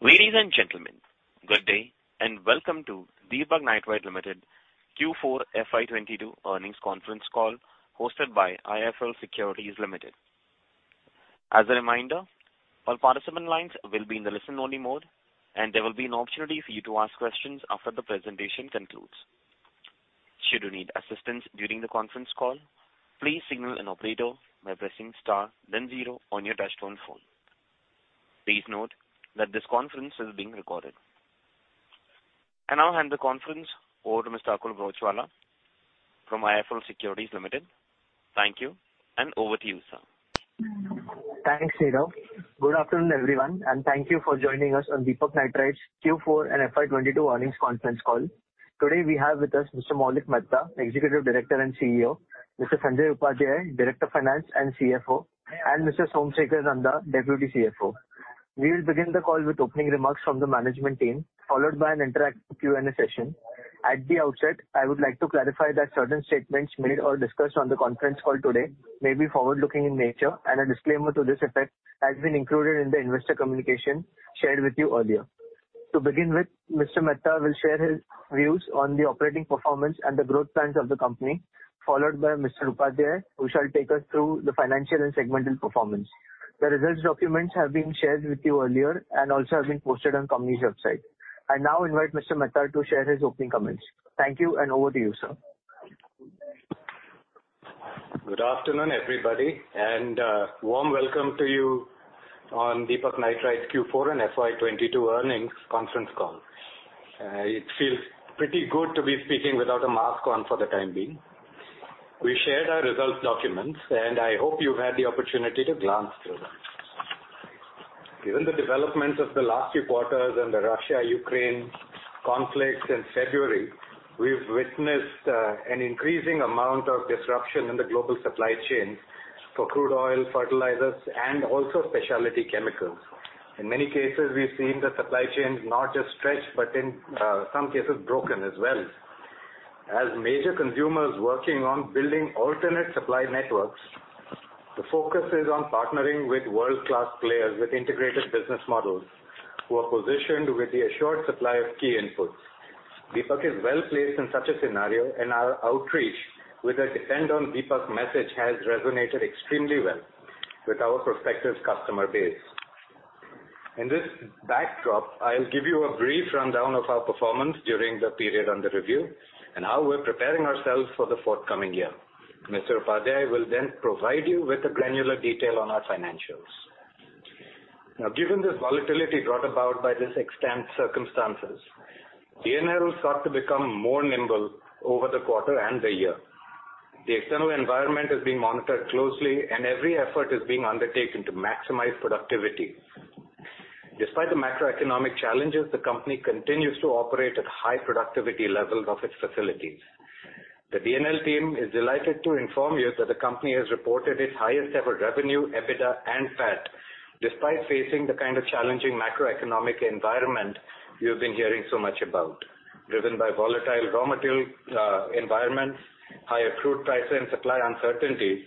Ladies and gentlemen, good day and welcome to Deepak Nitrite Limited Q4 FY 2022 earnings conference call hosted by IIFL Securities Limited. As a reminder, all participant lines will be in the listen-only mode, and there will be an opportunity for you to ask questions after the presentation concludes. Should you need assistance during the conference call, please signal an operator by pressing star then zero on your touchtone phone. Please note that this conference is being recorded. I now hand the conference over to Mr. Akul Broachwala from IIFL Securities Limited. Thank you, and over to you, sir. Thanks, Nirav. Good afternoon, everyone, and thank you for joining us on Deepak Nitrite's Q4 and FY 2022 earnings conference call. Today we have with us Mr. Maulik Mehta, Executive Director and CEO, Mr. Sanjay Upadhyay, Director Finance and CFO, and Mr. Somsekhar Nanda, Deputy CFO. We'll begin the call with opening remarks from the management team, followed by an interactive Q&A session. At the outset, I would like to clarify that certain statements made or discussed on the conference call today may be forward-looking in nature, and a disclaimer to this effect has been included in the investor communication shared with you earlier. To begin with, Mr. Mehta will share his views on the operating performance and the growth plans of the company, followed by Mr. Upadhyay who shall take us through the financial and segmental performance. The results documents have been shared with you earlier and also have been posted on company's website. I now invite Mr. Mehta to share his opening comments. Thank you, and over to you, sir. Good afternoon, everybody, and warm welcome to you on Deepak Nitrite Q4 and FY 2022 earnings conference call. It feels pretty good to be speaking without a mask on for the time being. We shared our results documents, and I hope you've had the opportunity to glance through them. Given the developments of the last few quarters and the Russia-Ukraine conflict in February, we've witnessed an increasing amount of disruption in the global supply chain for crude oil, fertilizers, and also specialty chemicals. In many cases, we've seen the supply chains not just stretched, but in some cases broken as well. As major consumers working on building alternate supply networks, the focus is on partnering with world-class players with integrated business models who are positioned with the assured supply of key inputs. Deepak is well-placed in such a scenario, and our outreach with a Depend on Deepak message has resonated extremely well with our prospective customer base. In this backdrop, I'll give you a brief rundown of our performance during the period under review and how we're preparing ourselves for the forthcoming year. Mr. Sanjay Upadhyay will then provide you with the granular detail on our financials. Now, given this volatility brought about by these extant circumstances, DNL sought to become more nimble over the quarter and the year. The external environment is being monitored closely, and every effort is being undertaken to maximize productivity. Despite the macroeconomic challenges, the company continues to operate at high productivity levels of its facilities. The DNL team is delighted to inform you that the company has reported its highest ever revenue, EBITDA and PAT, despite facing the kind of challenging macroeconomic environment you've been hearing so much about, driven by volatile raw material environments, higher crude prices and supply uncertainties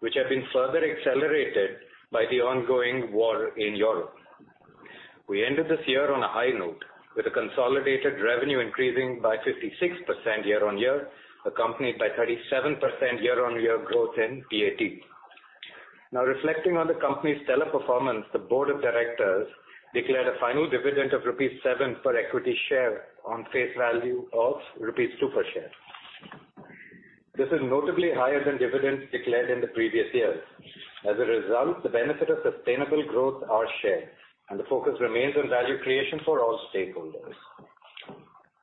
which have been further accelerated by the ongoing war in Europe. We ended this year on a high note with a consolidated revenue increasing by 56% year-on-year, accompanied by 37% year-on-year growth in PAT. Now reflecting on the company's stellar performance, the board of directors declared a final dividend of rupees 7 per equity share on face value of rupees 2 per share. This is notably higher than dividends declared in the previous years. As a result, the benefit of sustainable growth are shared and the focus remains on value creation for all stakeholders.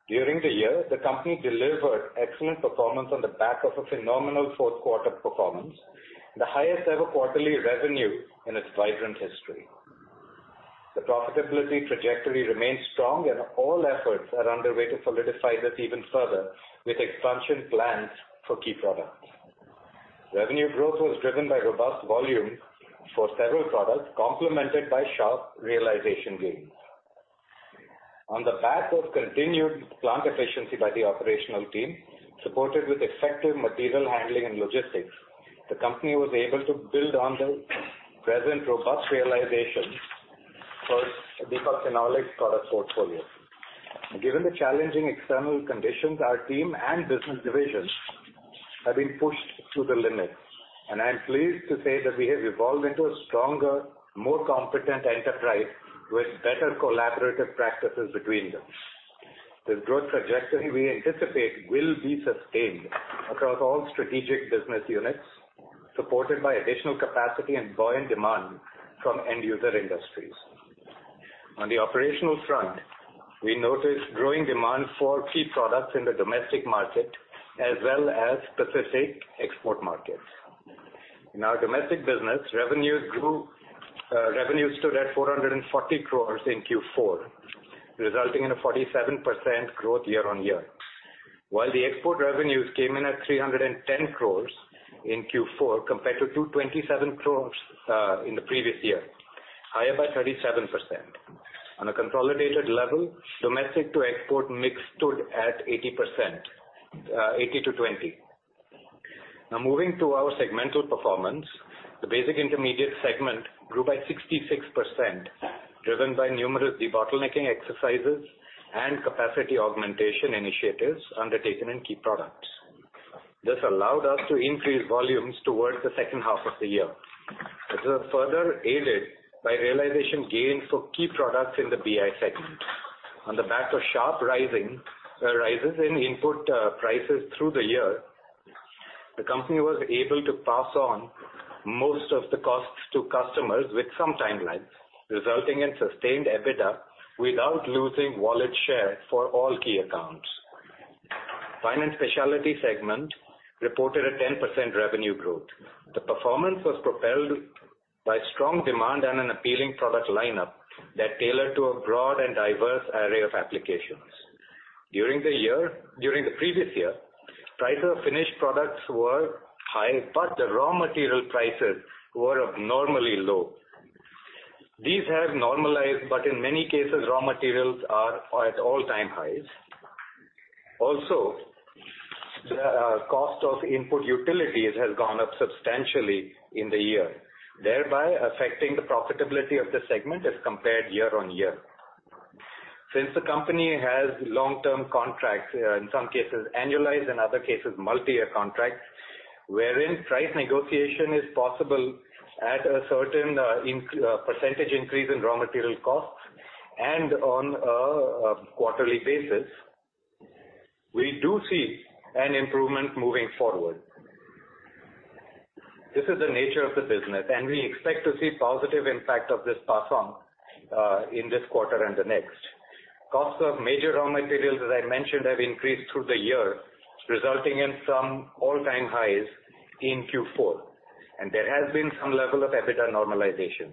During the year, the company delivered excellent performance on the back of a phenomenal fourth quarter performance, the highest ever quarterly revenue in its vibrant history. The profitability trajectory remains strong and all efforts are underway to solidify this even further with expansion plans for key products. Revenue growth was driven by robust volume for several products, complemented by sharp realization gains. On the back of continued plant efficiency by the operational team, supported with effective material handling and logistics, the company was able to build on the present robust realization for Deepak's phenolics product portfolio. Given the challenging external conditions, our team and business divisions have been pushed to the limits, and I am pleased to say that we have evolved into a stronger, more competent enterprise with better collaborative practices between them. The growth trajectory we anticipate will be sustained across all strategic business units, supported by additional capacity and buoyant demand from end user industries. On the operational front, we notice growing demand for key products in the domestic market as well as specific export markets. In our domestic business, revenues stood at 440 crore in Q4, resulting in a 47% growth year-on-year. While the export revenues came in at 310 crore in Q4 compared to 227 crore in the previous year, higher by 37%. On a consolidated level, domestic to export mix stood at 80%, 80 to 20. Now moving to our segmental performance. The Basic Intermediate segment grew by 66%, driven by numerous debottlenecking exercises and capacity augmentation initiatives undertaken in key products. This allowed us to increase volumes towards the second half of the year. It was further aided by realization gains for key products in the BI segment. On the back of sharp rises in input prices through the year, the company was able to pass on most of the costs to customers with some timelines, resulting in sustained EBITDA without losing wallet share for all key accounts. Fine and Specialty segment reported a 10% revenue growth. The performance was propelled by strong demand and an appealing product lineup that tailored to a broad and diverse array of applications. During the previous year, prices of finished products were high, but the raw material prices were abnormally low. These have normalized, but in many cases raw materials are at all-time highs. The cost of input utilities has gone up substantially in the year, thereby affecting the profitability of the segment as compared year-on-year. Since the company has long-term contracts, in some cases annualized, in other cases multi-year contracts, wherein price negotiation is possible at a certain percentage increase in raw material costs and on a quarterly basis, we do see an improvement moving forward. This is the nature of the business, and we expect to see positive impact of this pass on in this quarter and the next. Costs of major raw materials, as I mentioned, have increased through the year, resulting in some all-time highs in Q4, and there has been some level of EBITDA normalization.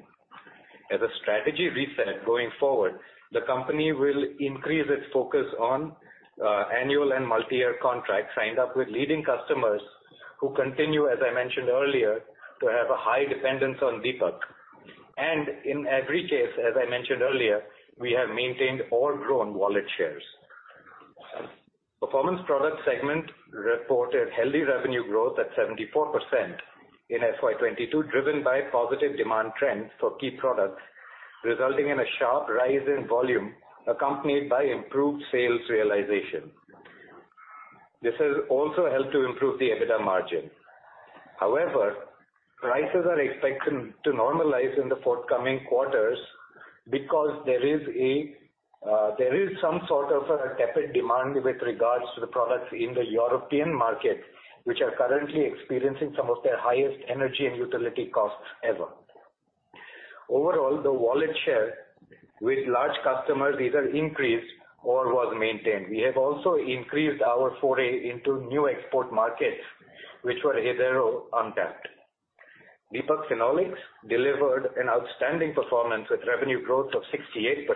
As a strategy reset going forward, the company will increase its focus on annual and multi-year contracts signed up with leading customers who continue, as I mentioned earlier, to have a high dependence on Deepak. In every case, as I mentioned earlier, we have maintained or grown wallet shares. Performance Products segment reported healthy revenue growth at 74% in FY 2022, driven by positive demand trends for key products, resulting in a sharp rise in volume accompanied by improved sales realization. This has also helped to improve the EBITDA margin. However, prices are expected to normalize in the forthcoming quarters because there is some sort of a tepid demand with regards to the products in the European market, which are currently experiencing some of their highest energy and utility costs ever. Overall, the wallet share with large customers either increased or was maintained. We have also increased our foray into new export markets which were hitherto untapped. Deepak Phenolics delivered an outstanding performance with revenue growth of 68%,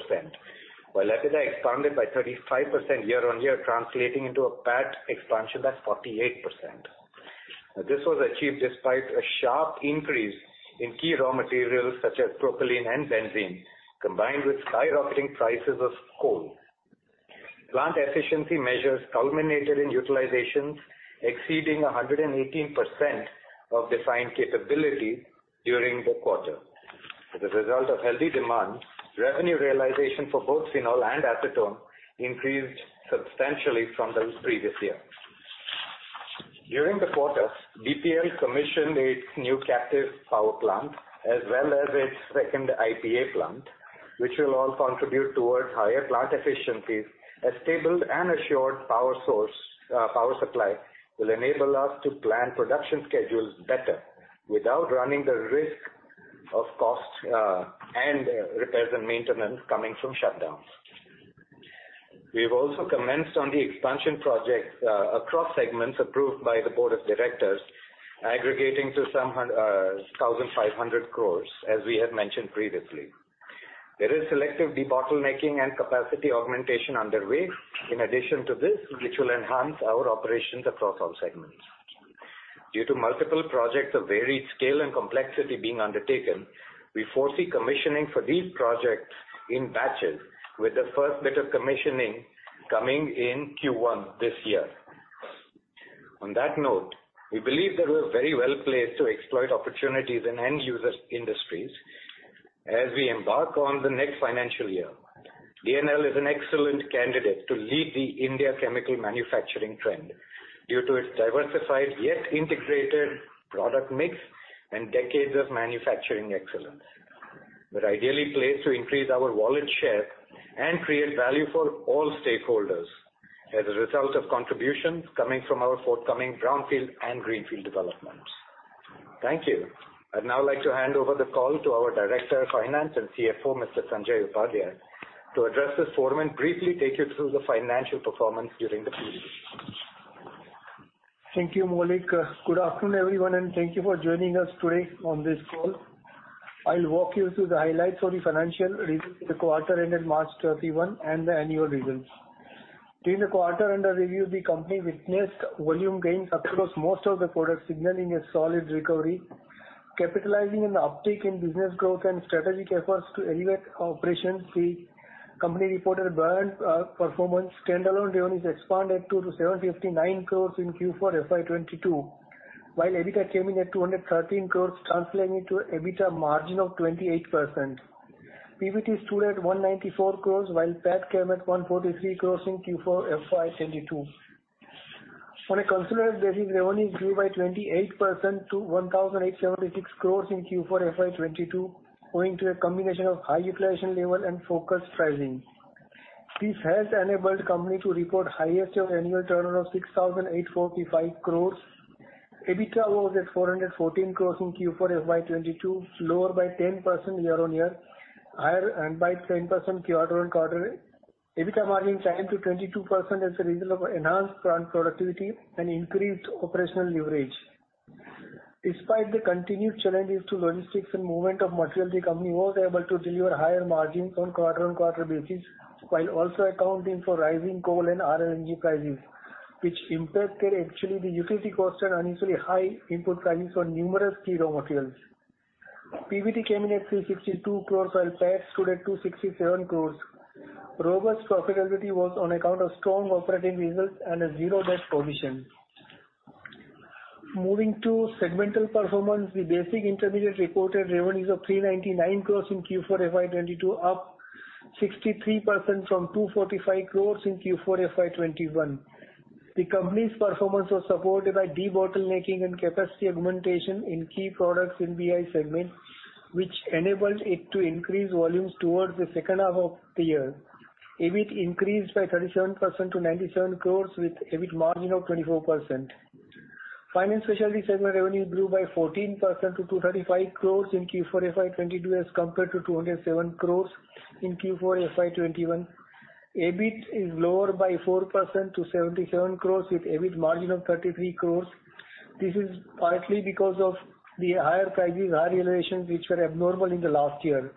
while EBITDA expanded by 35% year-on-year, translating into a PAT expansion by 48%. This was achieved despite a sharp increase in key raw materials such as propylene and benzene, combined with skyrocketing prices of coal. Plant efficiency measures culminated in utilizations exceeding 118% of design capability during the quarter. As a result of healthy demand, revenue realization for both phenol and acetone increased substantially from the previous year. During the quarter, DPL commissioned its new captive power plant as well as its second IPA plant, which will all contribute towards higher plant efficiencies. A stable and assured power source, power supply will enable us to plan production schedules better without running the risk of costs, and repairs and maintenance coming from shutdowns. We have also commenced on the expansion projects, across segments approved by the board of directors, aggregating to some 1,500 crore, as we had mentioned previously. There is selective debottlenecking and capacity augmentation underway in addition to this, which will enhance our operations across all segments. Due to multiple projects of varied scale and complexity being undertaken, we foresee commissioning for these projects in batches, with the first bit of commissioning coming in Q1 this year. On that note, we believe that we're very well placed to exploit opportunities in end user's industries as we embark on the next financial year. DNL is an excellent candidate to lead the Indian chemical manufacturing trend due to its diversified yet integrated product mix and decades of manufacturing excellence. We're ideally placed to increase our wallet share and create value for all stakeholders as a result of contributions coming from our forthcoming brownfield and greenfield developments. Thank you. I'd now like to hand over the call to our Director of Finance and CFO, Mr. Sanjay Upadhyay, to address this forum and briefly take you through the financial performance during the period. Thank you, Maulik. Good afternoon, everyone, and thank you for joining us today on this call. I'll walk you through the highlights of the financial results for the quarter ended March 31 and the annual results. During the quarter under review, the company witnessed volume gains across most of the products, signaling a solid recovery. Capitalizing on the uptick in business growth and strategic efforts to elevate our operations, the company reported grand performance. Standalone revenue has expanded to 759 crore in Q4 FY 2022, while EBITDA came in at 213 crore, translating into an EBITDA margin of 28%. PBT stood at 194 crore while PAT came at 143 crore in Q4 FY 2022. On a consolidated basis, revenue grew by 28% to 1,876 crores in Q4 FY 2022, owing to a combination of high utilization level and focused pricing. This has enabled company to report highest of annual turnover of 6,845 crores. EBITDA was at 414 crores in Q4 FY 2022, lower by 10% year-on-year, higher and by 10% quarter-on-quarter. EBITDA margin climbed to 22% as a result of enhanced plant productivity and increased operational leverage. Despite the continued challenges to logistics and movement of material, the company was able to deliver higher margins on quarter-on-quarter basis, while also accounting for rising coal and RLNG prices, which impacted actually the utility cost and unusually high input prices on numerous key raw materials. PBT came in at 362 crores while PAT stood at 267 crores. Robust profitability was on account of strong operating results and a zero debt position. Moving to segmental performance. Basic Intermediate reported revenues of 399 crore in Q4 FY 2022, up 63% from 245 crore in Q4 FY 2021. The company's performance was supported by debottlenecking and capacity augmentation in key products in BI segment, which enabled it to increase volumes towards the second half of the year. EBIT increased by 37% to 97 crore with EBIT margin of 24%. Fine & Specialty segment revenue grew by 14% to 235 crore in Q4 FY 2022 as compared to 207 crore in Q4 FY 2021. EBIT is lower by 4% to 77 crore with EBIT margin of 33%. This is partly because of the higher prices, higher utilization, which were abnormal in the last year.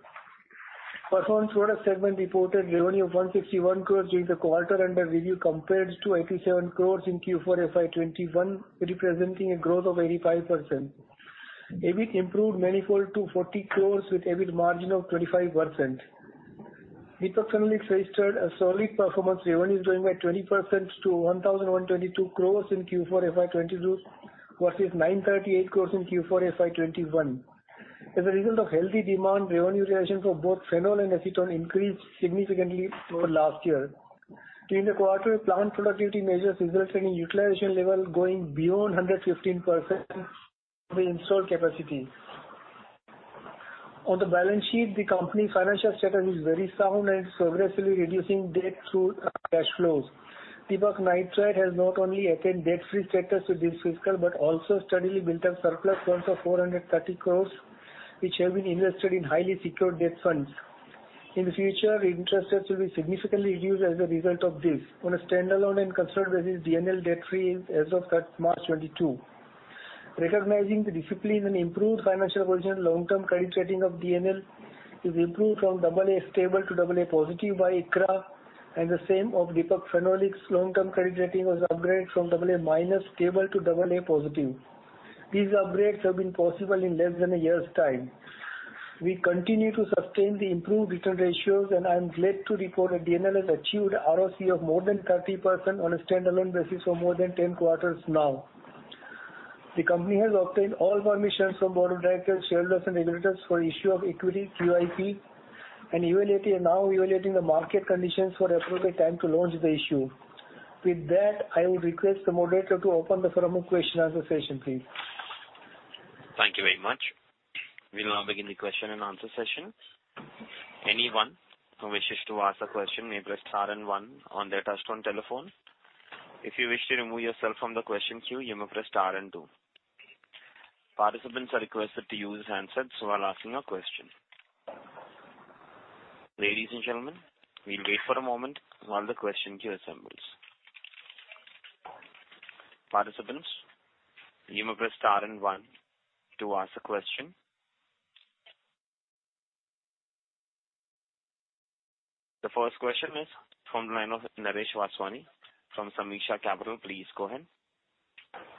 Performance Products segment reported revenue of 161 crores during the quarter under review compared to 87 crores in Q4 FY 2021, representing a growth of 85%. EBIT improved manifold to 40 crores with EBIT margin of 25%. Deepak Phenolics registered a solid performance. Revenue is growing by 20% to 1,122 crores in Q4 FY 2022 versus 938 crores in Q4 FY 2021. As a result of healthy demand, revenue realization for both phenol and acetone increased significantly over last year. During the quarter, plant productivity measures resulting in utilization level going beyond 115% of the installed capacity. On the balance sheet, the company's financial status is very sound and progressively reducing debt through cash flows. Deepak Nitrite has not only attained debt-free status with this fiscal, but also steadily built up surplus funds of 430 crore, which have been invested in highly secured debt funds. In the future, interest rates will be significantly reduced as a result of this. On a standalone and consolidated basis, DNL is debt-free as of March 2022. Recognizing the discipline and improved financial position, long-term credit rating of DNL is improved from double A stable to double A positive by ICRA, and the same of Deepak Phenolics long-term credit rating was upgraded from double A minus stable to double A positive. These upgrades have been possible in less than a year's time. We continue to sustain the improved return ratios, and I'm glad to report that DNL has achieved ROCE of more than 30% on a standalone basis for more than 10 quarters now. The company has obtained all permissions from board of directors, shareholders and regulators for issue of equity, QIP and FCCB, and now evaluating the market conditions for appropriate time to launch the issue. With that, I would request the moderator to open the forum for question and answer session, please. The first question is from the line of Naresh Vaswani from Sameeksha Capital. Please go ahead.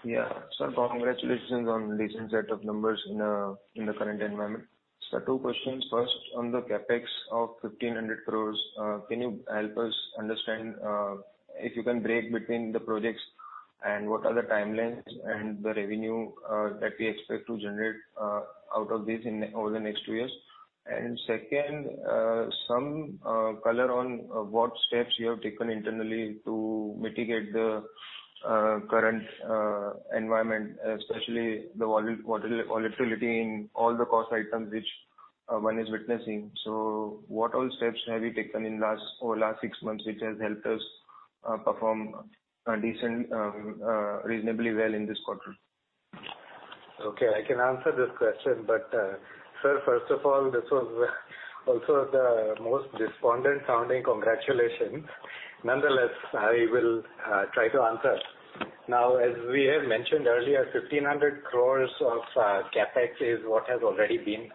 Yeah. Sir, congratulations on decent set of numbers in the current environment. Sir, two questions. First, on the CapEx of 1,500 crores, can you help us understand if you can breakdown between the projects and what are the timelines and the revenue that we expect to generate out of this over the next two years? Second, some color on what steps you have taken internally to mitigate the current environment, especially the volatility in all the cost items which one is witnessing. What all steps have you taken over last six months, which has helped us perform decently, reasonably well in this quarter? Okay, I can answer this question. Sir, first of all, this was also the most despondent sounding congratulations. Nonetheless, I will try to answer. Now, as we have mentioned earlier, 1,500 crore of CapEx is what has already been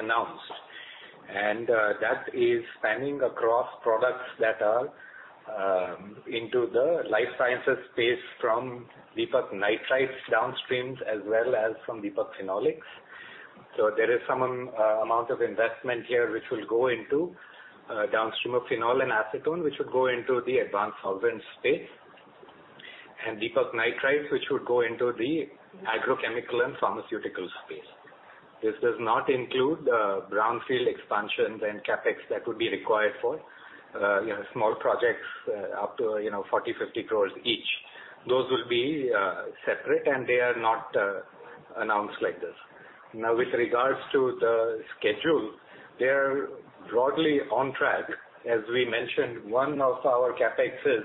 announced. That is spanning across products that are into the life sciences space from Deepak Nitrite downstreams as well as from Deepak Phenolics. There is some amount of investment here which will go into downstream of phenol and acetone, which would go into the advanced solvents space. Deepak Nitrite, which would go into the agrochemical and pharmaceutical space. This does not include brownfield expansions and CapEx that would be required for you know, small projects up to you know, 40-50 crores each. Those will be separate, and they are not announced like this. Now, with regards to the schedule, they are broadly on track. As we mentioned, one of our CapExes,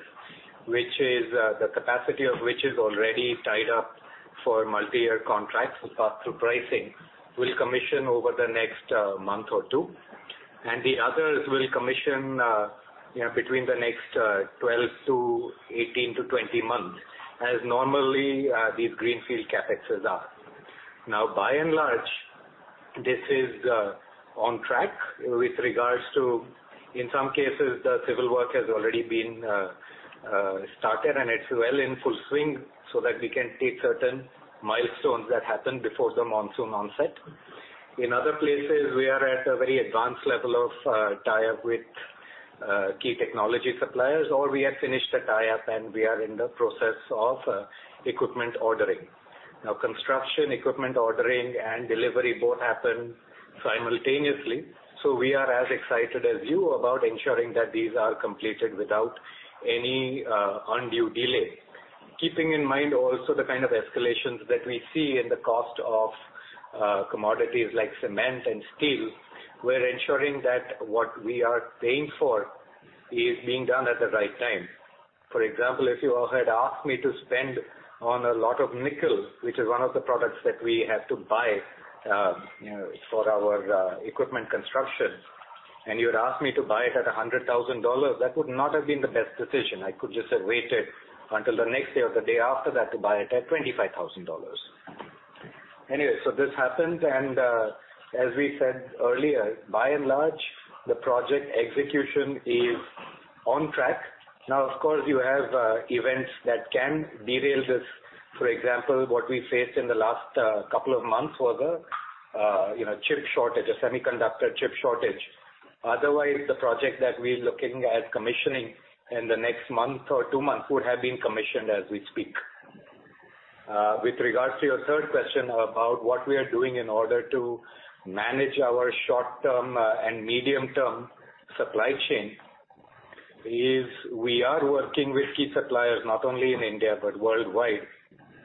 which is the capacity of which is already tied up for multi-year contracts with pass-through pricing, will commission over the next month or two, and the others will commission, you know, between the next 12 to 18 to 20 months, as normally these greenfield CapExes are. Now, by and large, this is on track with regards to, in some cases, the civil work has already been started and it's well in full swing so that we can take certain milestones that happen before the monsoon onset. In other places, we are at a very advanced level of tie-up with key technology suppliers, or we have finished the tie-up and we are in the process of equipment ordering. Now, construction, equipment ordering, and delivery both happen simultaneously, so we are as excited as you about ensuring that these are completed without any undue delay. Keeping in mind also the kind of escalations that we see in the cost of commodities like cement and steel, we're ensuring that what we are paying for is being done at the right time. For example, if you all had asked me to spend on a lot of nickel, which is one of the products that we have to buy, you know, for our equipment construction, and you had asked me to buy it at $100,000, that would not have been the best decision. I could just have waited until the next day or the day after that to buy it at $25,000. Anyway, this happens, and as we said earlier, by and large, the project execution is on track. Now, of course, you have events that can derail this. For example, what we faced in the last couple of months was a you know chip shortage, a semiconductor chip shortage. Otherwise, the project that we're looking at commissioning in the next month or two months would have been commissioned as we speak. With regards to your third question about what we are doing in order to manage our short-term and medium-term supply chain, we are working with key suppliers, not only in India, but worldwide,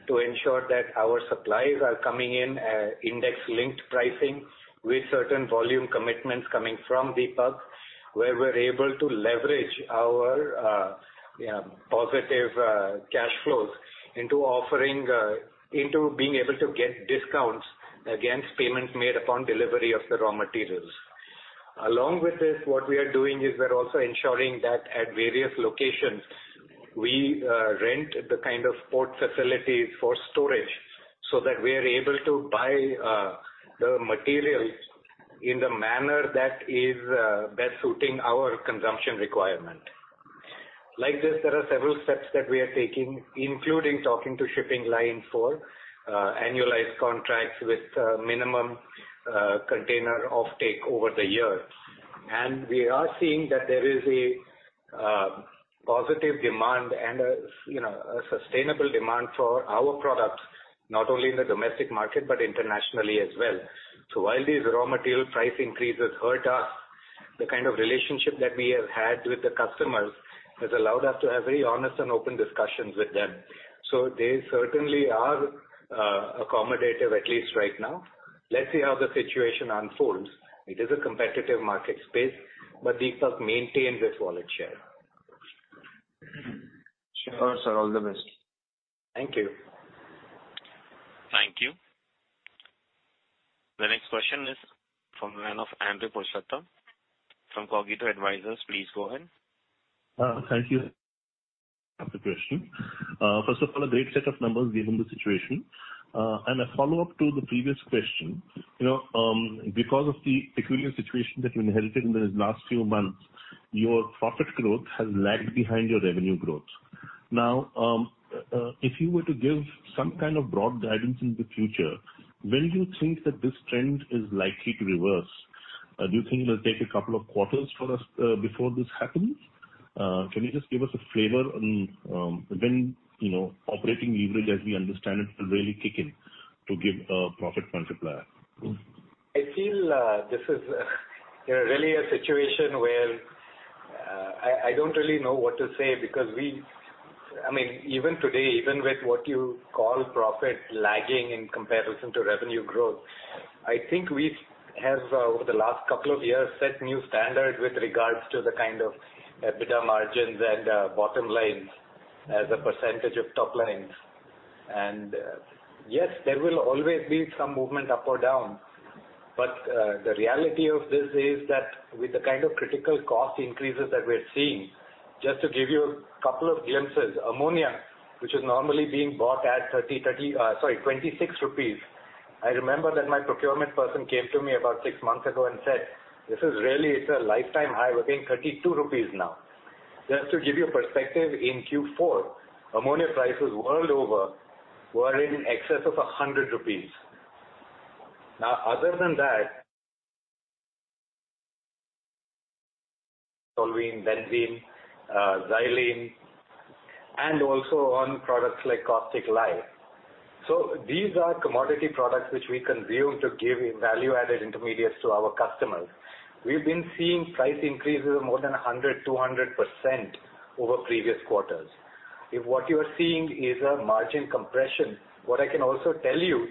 to ensure that our supplies are coming in at index-linked pricing with certain volume commitments coming from Deepak, where we're able to leverage our, you know, positive cash flows into offering into being able to get discounts against payments made upon delivery of the raw materials. Along with this, what we are doing is we're also ensuring that at various locations we rent the kind of port facilities for storage so that we are able to buy the materials in the manner that is best suiting our consumption requirement. Like this, there are several steps that we are taking, including talking to shipping lines for annualized contracts with minimum container offtake over the year. We are seeing that there is a positive demand and a, you know, a sustainable demand for our products, not only in the domestic market, but internationally as well. While these raw material price increases hurt us, the kind of relationship that we have had with the customers has allowed us to have very honest and open discussions with them. They certainly are accommodative, at least right now. Let's see how the situation unfolds. It is a competitive market space, but Deepak maintains its wallet share. Sure. Sir, all the best. Thank you. Thank you. The next question is from the line of Andrey Purushottam from Cogito Advisors. Please go ahead. Thank you. I have a question. First of all, a great set of numbers given the situation. A follow-up to the previous question. You know, because of the peculiar situation that you inherited in the last few months, your profit growth has lagged behind your revenue growth. Now, if you were to give some kind of broad guidance in the future, when do you think that this trend is likely to reverse? Do you think it'll take a couple of quarters for us before this happens? Can you just give us a flavor on when, you know, operating leverage, as we understand it, will really kick in to give a profit multiplier? I feel this is really a situation where I don't really know what to say because we I mean, even today, even with what you call profit lagging in comparison to revenue growth, I think we have over the last couple of years, set new standards with regards to the kind of EBITDA margins and bottom lines as a percentage of top lines. Yes, there will always be some movement up or down. The reality of this is that with the kind of critical cost increases that we're seeing. Just to give you a couple of glimpses. Ammonia, which is normally being bought at 26 rupees. I remember that my procurement person came to me about six months ago and said, "This is really, it's a lifetime high. We're paying 32 rupees now. Just to give you a perspective, in Q4, ammonia prices world over were in excess of 100 rupees. Now, other than that, soaring benzene, xylene, and also on products like caustic lye. These are commodity products which we consume to give value-added intermediates to our customers. We've been seeing price increases of more than 100, 200% over previous quarters. If what you are seeing is a margin compression, what I can also tell you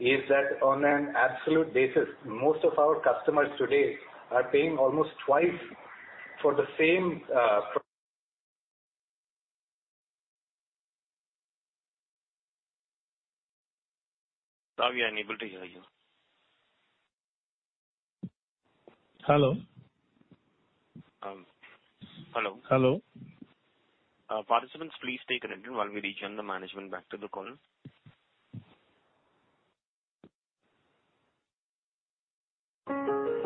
is that on an absolute basis, most of our customers today are paying almost twice for the same, pro- Sorry, I'm unable to hear you. Hello? Hello. Hello. Participants, please take a minute while we rejoin the management back to the call. Ladies and gentlemen,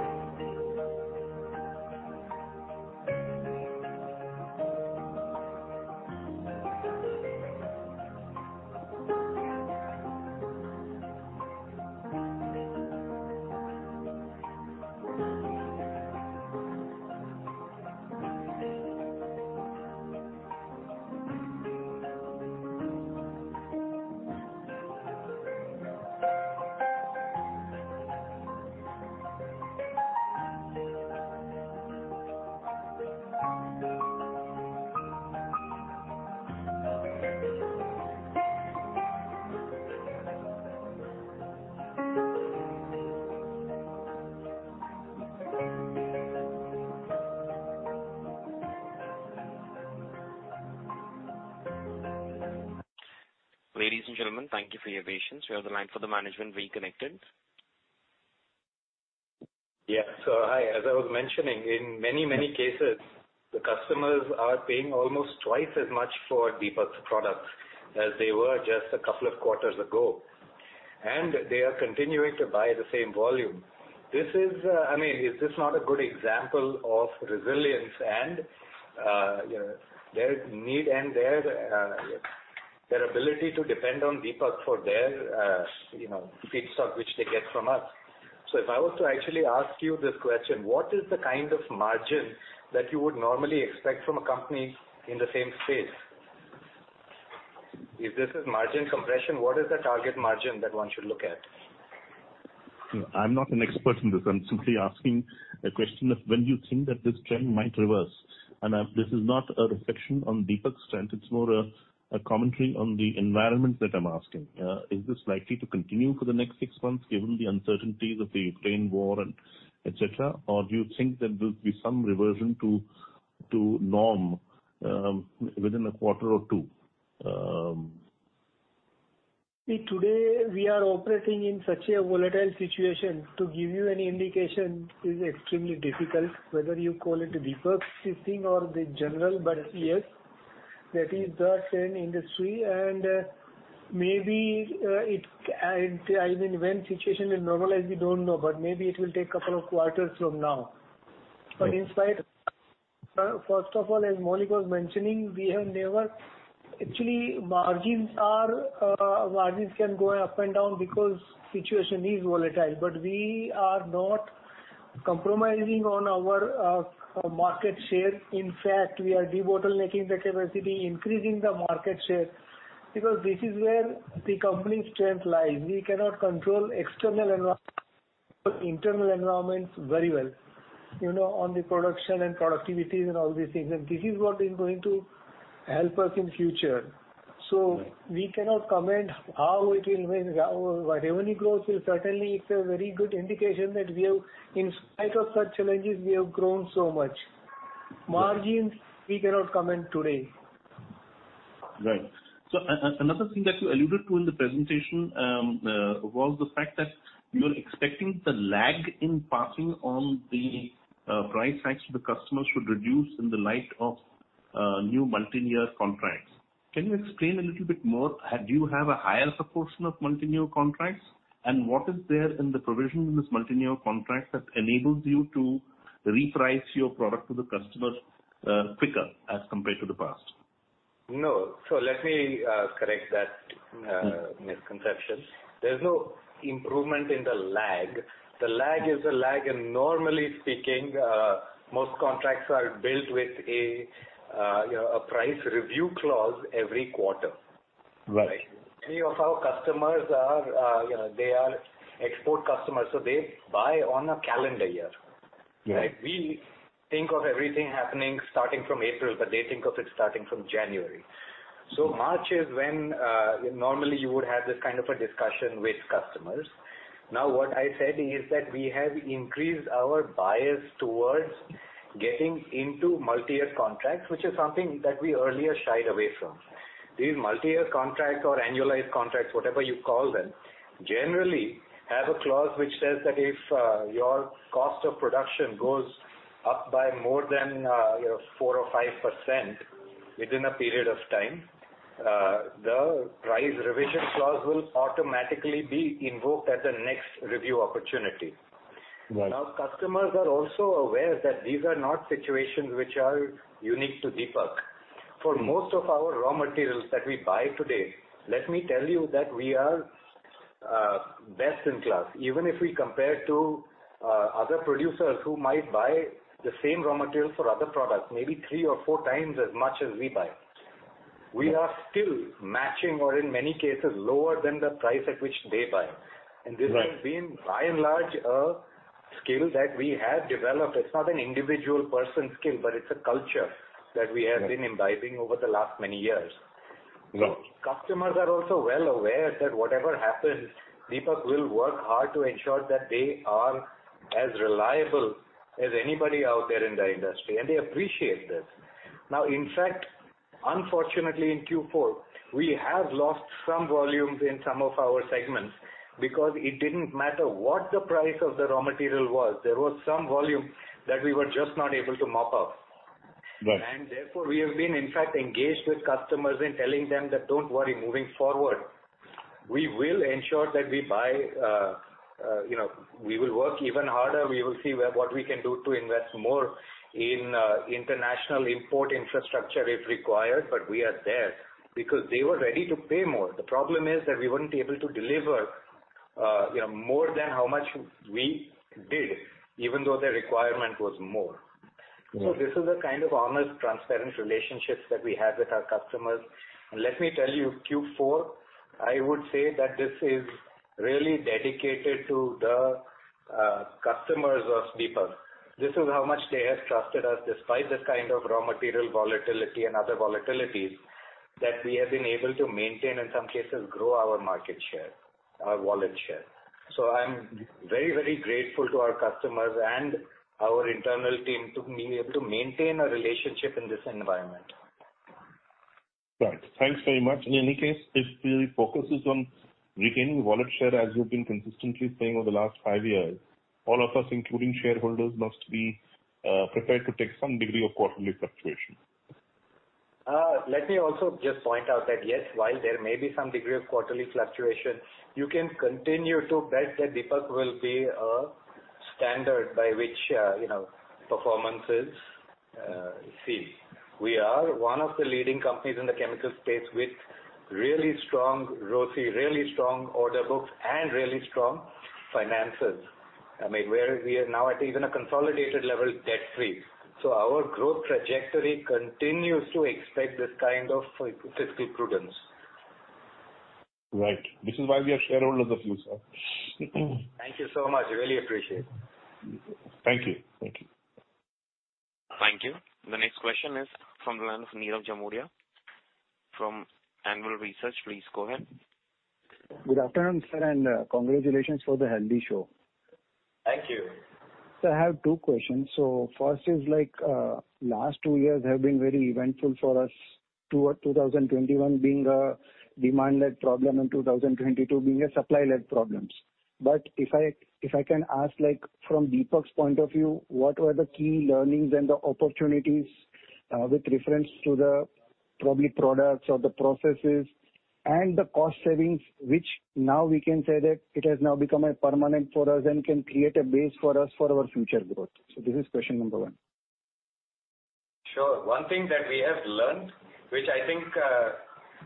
thank you for your patience. We have the line for the management reconnected. Hi. As I was mentioning, in many, many cases, the customers are paying almost twice as much for Deepak's products as they were just a couple of quarters ago. They are continuing to buy the same volume. This is, I mean, is this not a good example of resilience and their need and their ability to depend on Deepak for their, you know, feedstock which they get from us? If I was to actually ask you this question. What is the kind of margin that you would normally expect from a company in the same space? If this is margin compression, what is the target margin that one should look at? I'm not an expert in this. I'm simply asking a question of when do you think that this trend might reverse? This is not a reflection on Deepak's strength. It's more a commentary on the environment that I'm asking. Is this likely to continue for the next six months given the uncertainties of the Ukraine war and et cetera, or do you think that there'll be some reversion to norm within a quarter or two? See, today we are operating in such a volatile situation. To give you any indication is extremely difficult, whether you call it Deepak's system or the general. Yes, that is the trend industry and maybe, I mean, when situation will normalize, we don't know, but maybe it will take couple of quarters from now. In spite, first of all, as Maulik was mentioning, actually, margins can go up and down because situation is volatile. We are not compromising on our market share. In fact, we are debottlenecking the capacity, increasing the market share, because this is where the company's strength lies. We cannot control external environment, but internal environments very well, you know, on the production and productivities and all these things. This is what is going to help us in future. We cannot comment how it will win. Our revenue growth is certainly, it's a very good indication that we have, in spite of such challenges, we have grown so much. Margins, we cannot comment today. Right. Another thing that you alluded to in the presentation was the fact that you're expecting the lag in passing on the price hikes to the customers should reduce in the light of new multi-year contracts. Can you explain a little bit more? Do you have a higher proportion of multi-year contracts? And what is there in the provision in this multi-year contract that enables you to reprice your product to the customers quicker as compared to the past? No. Let me correct that misconception. There's no improvement in the lag. The lag is a lag, and normally speaking, most contracts are built with a, you know, a price review clause every quarter. Right. Many of our customers are, you know, they are export customers, so they buy on a calendar year. Right. We think of everything happening starting from April, but they think of it starting from January. March is when, normally you would have this kind of a discussion with customers. Now, what I said is that we have increased our bias towards getting into multi-year contracts, which is something that we earlier shied away from. These multi-year contracts or annualized contracts, whatever you call them, generally have a clause which says that if, your cost of production goes up by more than, you know, 4% or 5% within a period of time, the price revision clause will automatically be invoked at the next review opportunity. Right. Now, customers are also aware that these are not situations which are unique to Deepak. For most of our raw materials that we buy today, let me tell you that we are best in class. Even if we compare to other producers who might buy the same raw materials for other products, maybe three or four times as much as we buy. We are still matching, or in many cases, lower than the price at which they buy. Right. This has been by and large a skill that we have developed. It's not an individual person skill, but it's a culture that we have been imbibing over the last many years. Right. Customers are also well aware that whatever happens, Deepak will work hard to ensure that they are as reliable as anybody out there in the industry, and they appreciate this. Now, in fact, unfortunately, in Q4, we have lost some volumes in some of our segments because it didn't matter what the price of the raw material was. There was some volume that we were just not able to mop up. Right. Therefore, we have been, in fact, engaged with customers in telling them that don't worry, moving forward, we will ensure that we buy, you know, we will work even harder. We will see what we can do to invest more in, international import infrastructure if required, but we are there. Because they were ready to pay more. The problem is that we wouldn't be able to deliver, you know, more than how much we did, even though the requirement was more. Right. This is a kind of honest, transparent relationships that we have with our customers. Let me tell you, Q4, I would say that this is really dedicated to the customers of Deepak. This is how much they have trusted us despite this kind of raw material volatility and other volatilities, that we have been able to maintain, in some cases, grow our market share, our wallet share. I'm very, very grateful to our customers and our internal team to be able to maintain a relationship in this environment. Right. Thanks very much. In any case, if the focus is on retaining wallet share, as you've been consistently saying over the last five years, all of us, including shareholders, must be prepared to take some degree of quarterly fluctuation. Let me also just point out that, yes, while there may be some degree of quarterly fluctuation, you can continue to bet that Deepak will be a standard by which, you know, performance is seen. We are one of the leading companies in the chemical space with really strong ROCE, really strong order books, and really strong finances. I mean, we are now at even a consolidated level debt-free. Our growth trajectory continues to expect this kind of fiscal prudence. Right. This is why we are shareholders of you, sir. Thank you so much. I really appreciate it. Thank you. Thank you. Thank you. The next question is from the line of Nirav Jimudia from Anand Rathi. Please go ahead. Good afternoon, sir, and congratulations for the healthy show. Thank you. I have two questions. First is like, last two years have been very eventful for us. 2021 being a demand-led problem and 2022 being a supply-led problems. But if I can ask, like from Deepak's point of view, what were the key learnings and the opportunities, with reference to the probably products or the processes and the cost savings, which now we can say that it has now become a permanent for us and can create a base for us for our future growth. This is question number one. Sure. One thing that we have learned, which I think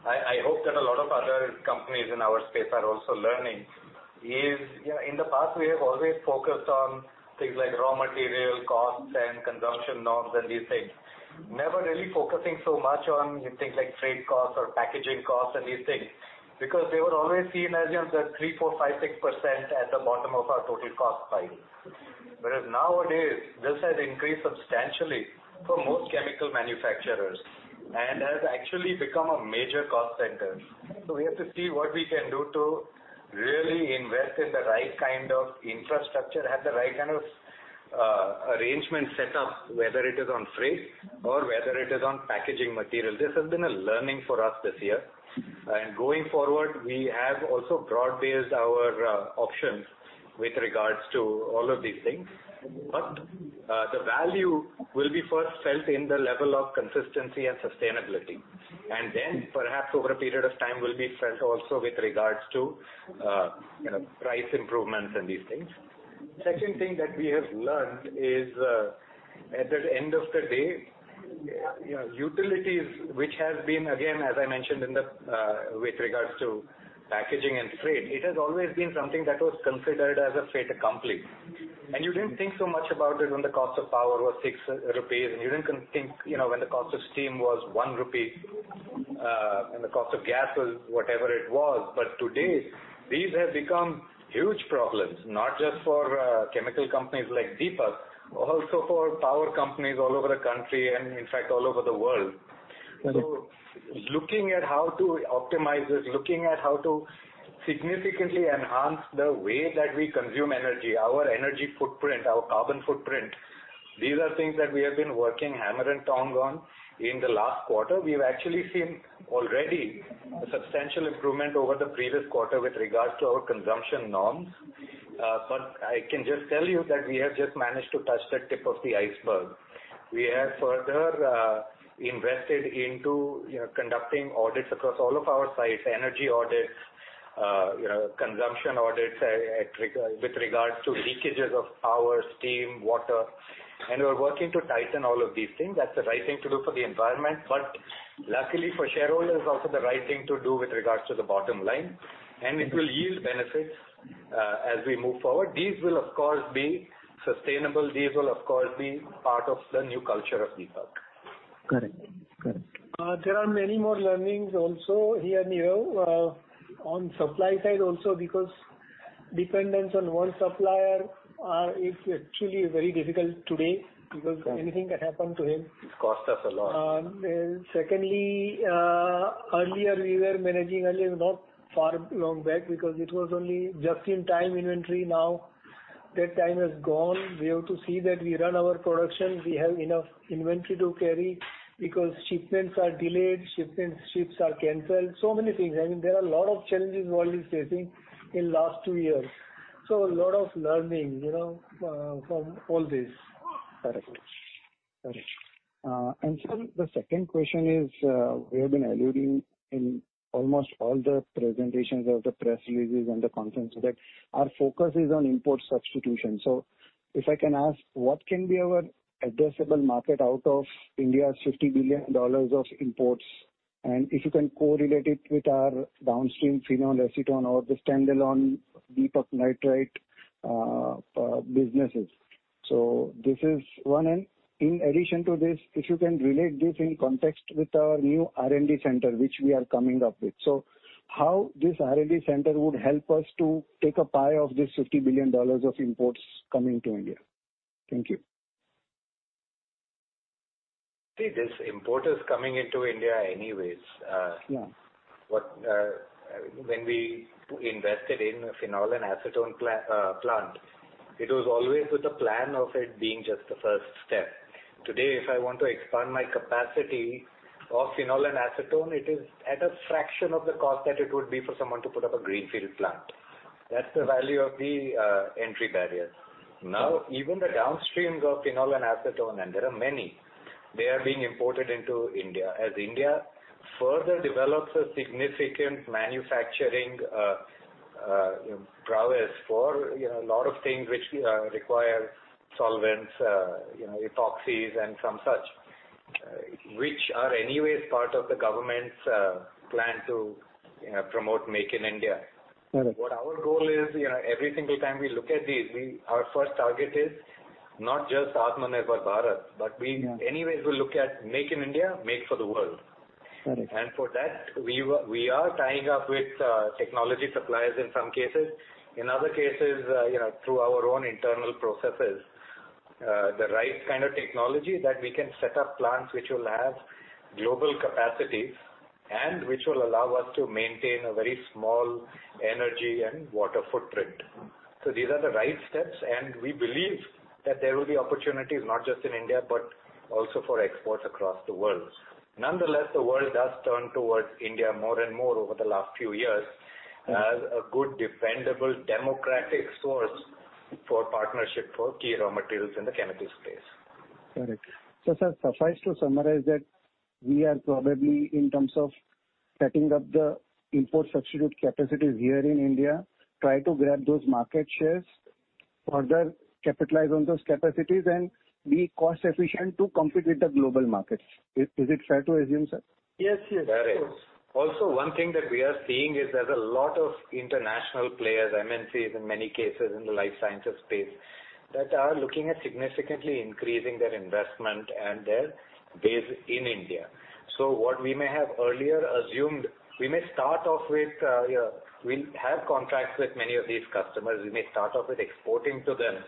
I hope that a lot of other companies in our space are also learning is, you know, in the past, we have always focused on things like raw material costs and consumption norms and these things. Never really focusing so much on things like freight costs or packaging costs and these things, because they were always seen as, you know, the 3%, 4%, 5%, 6% at the bottom of our total cost pile. Whereas nowadays, this has increased substantially for most chemical manufacturers and has actually become a major cost center. We have to see what we can do to really invest in the right kind of infrastructure, have the right kind of arrangement set up, whether it is on freight or whether it is on packaging material. This has been a learning for us this year. Going forward, we have also broad-based our options with regards to all of these things. The value will be first felt in the level of consistency and sustainability. Then perhaps over a period of time will be felt also with regards to, you know, price improvements and these things. Second thing that we have learned is, at the end of the day, you know, utilities, which has been, again, as I mentioned in the with regards to packaging and freight, it has always been something that was considered as a fait accompli. You didn't think so much about it when the cost of power was 6 rupees, and you didn't think, you know, when the cost of steam was 1 rupee, and the cost of gas was whatever it was. Today, these have become huge problems, not just for chemical companies like Deepak, also for power companies all over the country and in fact, all over the world. Right. Looking at how to optimize this, significantly enhance the way that we consume energy, our energy footprint, our carbon footprint, these are things that we have been working hammer and tong on in the last quarter. We've actually seen already a substantial improvement over the previous quarter with regards to our consumption norms. But I can just tell you that we have just managed to touch the tip of the iceberg. We have further invested into, you know, conducting audits across all of our sites, energy audits, you know, consumption audits, with regards to leakages of power, steam, water, and we're working to tighten all of these things. That's the right thing to do for the environment. Luckily for shareholders, also the right thing to do with regards to the bottom line. Mm-hmm. It will yield benefits, as we move forward. These will of course be sustainable. These will of course be part of the new culture of Deepak. Correct. There are many more learnings also here, Nirav, on supply side also because dependence on one supplier is actually very difficult today because Correct. Anything can happen to him. It cost us a lot. Secondly, earlier we were managing, not too long back because it was only just in time inventory. Now that time has gone. We have to see that we run our production, we have enough inventory to carry because shipments are delayed, ships are canceled. So many things. I mean, there are a lot of challenges the world is facing in last two years. A lot of learning from all this. Correct. Sir, the second question is, we have been alluding in almost all the presentations, the press releases and the conferences that our focus is on import substitution. If I can ask, what can be our addressable market out of India's $50 billion of imports? If you can correlate it with our downstream phenol acetone or the standalone Deepak Nitrite businesses. This is one. In addition to this, if you can relate this in context with our new R&D center, which we are coming up with. How this R&D center would help us to take a pie of this $50 billion of imports coming to India. Thank you. See, this import is coming into India anyways. Yeah. When we invested in phenol and acetone plant, it was always with the plan of it being just the first step. Today, if I want to expand my capacity of phenol and acetone, it is at a fraction of the cost that it would be for someone to put up a greenfield plant. That's the value of the entry barrier. Now, even the downstreams of phenol and acetone, and there are many, they are being imported into India. As India further develops a significant manufacturing, you know, prowess for, you know, a lot of things which, require solvents, you know, epoxies and some such, which are anyways part of the government's, plan to, you know, promote Make in India. Correct. What our goal is, you know, every single time we look at these, our first target is not just Atmanirbhar Bharat, but we. Yeah. Anyway, we look at Make in India, make for the world. Correct. For that, we are tying up with technology suppliers in some cases. In other cases, you know, through our own internal processes, the right kind of technology that we can set up plants which will have global capacities and which will allow us to maintain a very small energy and water footprint. These are the right steps, and we believe that there will be opportunities not just in India, but also for exports across the world. Nonetheless, the world has turned towards India more and more over the last few years. Mm-hmm. as a good, dependable, democratic source for partnership for key raw materials in the chemicals space. Correct. Sir, suffice to summarize that we are probably, in terms of setting up the import substitution capacities here in India, try to grab those market shares, further capitalize on those capacities and be cost efficient to compete with the global markets. Is it fair to assume, sir? Yes, yes. That is. Also one thing that we are seeing is there's a lot of international players, MNCs in many cases in the life sciences space, that are looking at significantly increasing their investment and their base in India. What we may have earlier assumed, we may start off with, we have contracts with many of these customers. We may start off with exporting to them,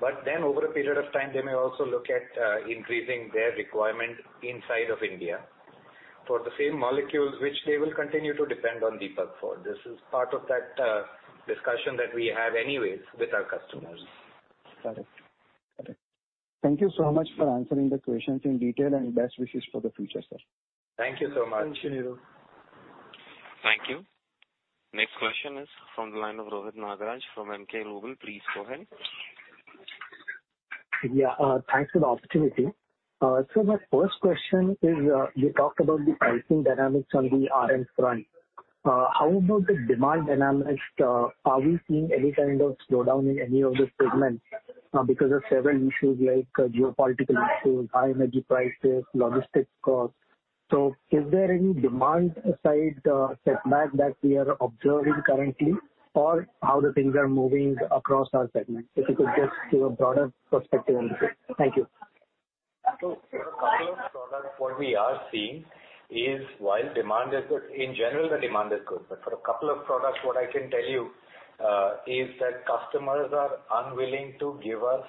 but then over a period of time, they may also look at, increasing their requirement inside of India for the same molecules which they will continue to depend on Deepak for. This is part of that, discussion that we have anyways with our customers. Correct. Thank you so much for answering the questions in detail, and best wishes for the future, sir. Thank you so much. Thank you, Nirav. Thank you. Next question is from the line of Rohit Nagraj from Emkay Global. Please go ahead. Thanks for the opportunity. My first question is, you talked about the pricing dynamics on the RM front. How about the demand dynamics? Are we seeing any kind of slowdown in any of the segments, because of several issues like geopolitical issues, high energy prices, logistics costs? Is there any demand side setback that we are observing currently or how the things are moving across our segment? If you could just give a broader perspective on this. Thank you. For a couple of products, what we are seeing is while demand is good, in general, the demand is good. For a couple of products, what I can tell you is that customers are unwilling to give us,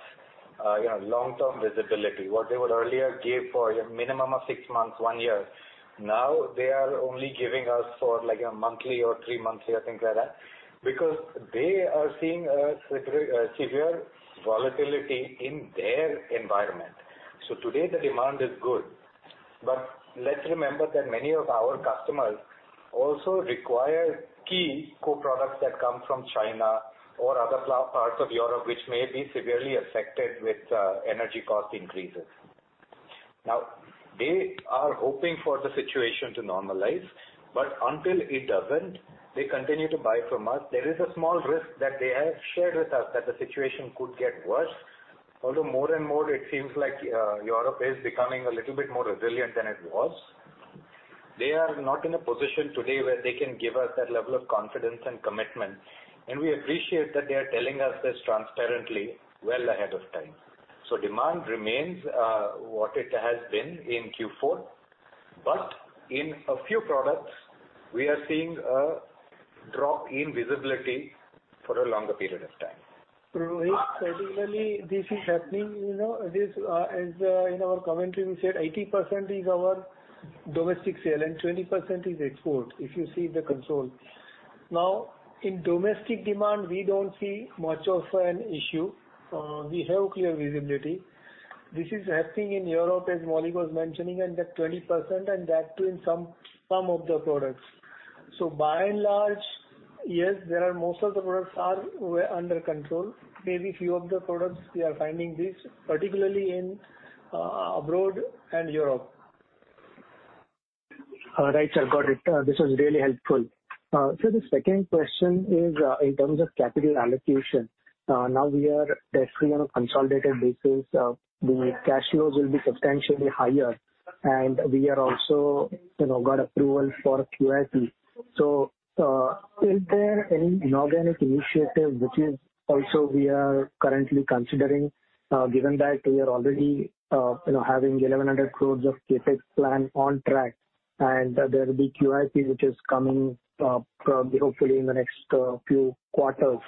you know, long-term visibility. What they would earlier give for a minimum of six months, one year. Now they are only giving us for like a monthly or three monthly or things like that, because they are seeing a severe volatility in their environment. Today the demand is good. Let's remember that many of our customers also require key co-products that come from China or other parts of Europe, which may be severely affected with energy cost increases. Now they are hoping for the situation to normalize, but until it doesn't, they continue to buy from us. There is a small risk that they have shared with us that the situation could get worse. Although more and more it seems like, Europe is becoming a little bit more resilient than it was. They are not in a position today where they can give us that level of confidence and commitment, and we appreciate that they are telling us this transparently well ahead of time. Demand remains, what it has been in Q4, but in a few products, we are seeing a drop in visibility for a longer period of time. Rohit, certainly this is happening. You know, this, as in our commentary, we said 80% is our domestic sale and 20% is export, if you see the consolidated. Now, in domestic demand we don't see much of an issue. We have clear visibility. This is happening in Europe, as Maulik was mentioning, and that 20% and that too in some of the products. By and large, yes, most of the products were under control. Maybe few of the products we are finding this, particularly in abroad and Europe. All right, sir. Got it. This was really helpful. The second question is, in terms of capital allocation. Now we are definitely on a consolidated basis. The cash flows will be substantially higher and we are also, you know got approval for QIP. Is there any inorganic initiative which is also we are currently considering, given that we are already, you know, having 1,100 crores of CapEx plan on track and there will be QIP which is coming up hopefully in the next few quarters.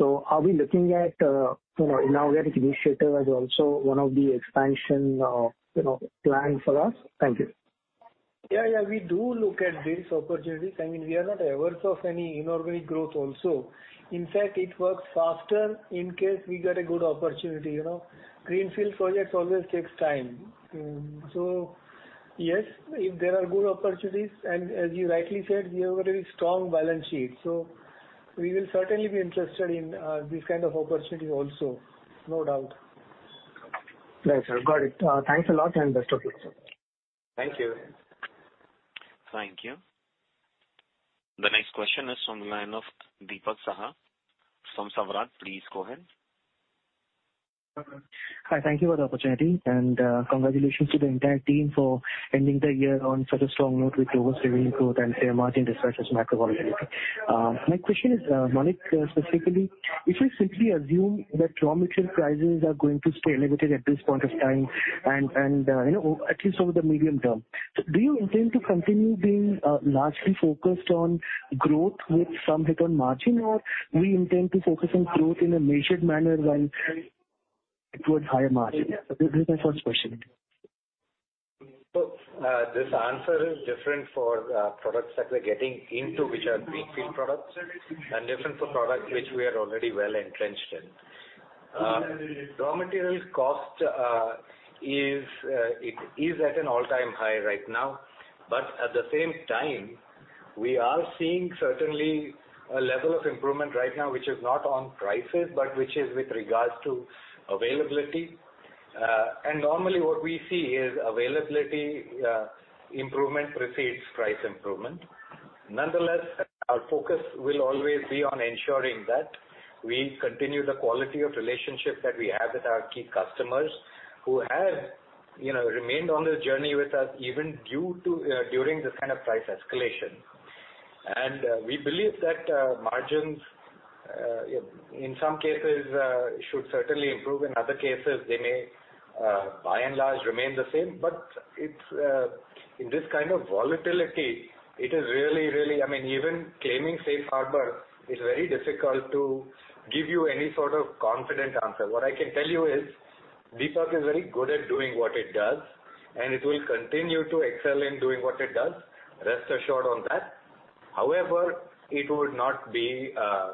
Are we looking at, you know, inorganic initiative as also one of the expansion, you know, plan for us? Thank you. Yeah, yeah, we do look at these opportunities. I mean, we are not averse of any inorganic growth also. In fact, it works faster in case we get a good opportunity, you know. Greenfield projects always takes time. Yes, if there are good opportunities and as you rightly said, we have a very strong balance sheet, so we will certainly be interested in this kind of opportunity also. No doubt. Thanks, sir. Got it. Thanks a lot and best of luck, sir. Thank you. Thank you. The next question is from the line of Dipak Saha from Savart. Please go ahead. Hi. Thank you for the opportunity and congratulations to the entire team for ending the year on such a strong note with global revenue growth and fair margin despite such macro volatility. My question is, Maulik specifically, if we simply assume that raw material prices are going to stay elevated at this point of time and you know, at least over the medium term. Do you intend to continue being largely focused on growth with some hit on margin? Or do you intend to focus on growth in a measured manner while towards higher margin? This is my first question. Look, this answer is different for products that we're getting into, which are greenfield products, and different for products which we are already well entrenched in. Raw materials cost is at an all-time high right now. At the same time, we are seeing certainly a level of improvement right now, which is not on prices, but which is with regards to availability. Normally what we see is availability improvement precedes price improvement. Nonetheless, our focus will always be on ensuring that we continue the quality of relationships that we have with our key customers who have, you know, remained on this journey with us, even during this kind of price escalation. We believe that margins in some cases should certainly improve. In other cases, they may, by and large, remain the same. It's in this kind of volatility, it is really I mean, even claiming safe harbor is very difficult to give you any sort of confident answer. What I can tell you is Deepak is very good at doing what it does, and it will continue to excel in doing what it does. Rest assured on that. However, it would not be a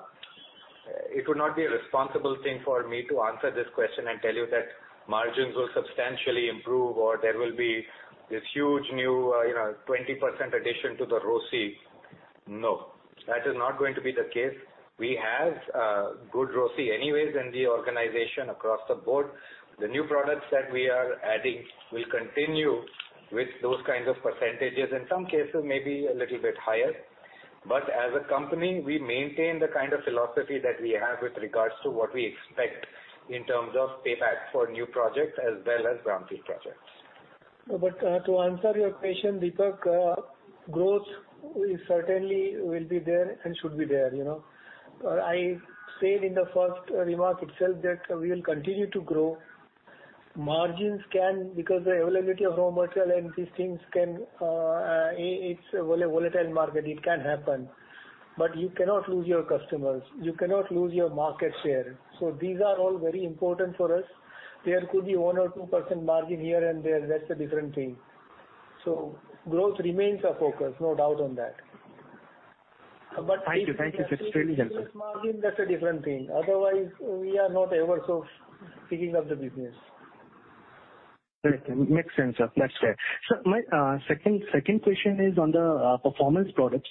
responsible thing for me to answer this question and tell you that margins will substantially improve or there will be this huge new, you know, 20% addition to the ROCE. No, that is not going to be the case. We have good ROCE anyways in the organization across the board. The new products that we are adding will continue with those kinds of percentages. In some cases, maybe a little bit higher. As a company, we maintain the kind of philosophy that we have with regards to what we expect in terms of payback for new projects as well as brownfield projects. To answer your question, Deepak, growth is certainly will be there and should be there, you know. I said in the first remark itself that we will continue to grow. Margins can, because the availability of raw material and these things can, it's a volatile market. It can happen. You cannot lose your customers. You cannot lose your market share. These are all very important for us. There could be 1% or 2% margin here and there. That's a different thing. Growth remains our focus, no doubt on that. Thank you. Thank you. It's really helpful. Margin, that's a different thing. Otherwise, we are not averse of picking up the business. Makes sense, sir. That's clear. My second question is on the Performance Products.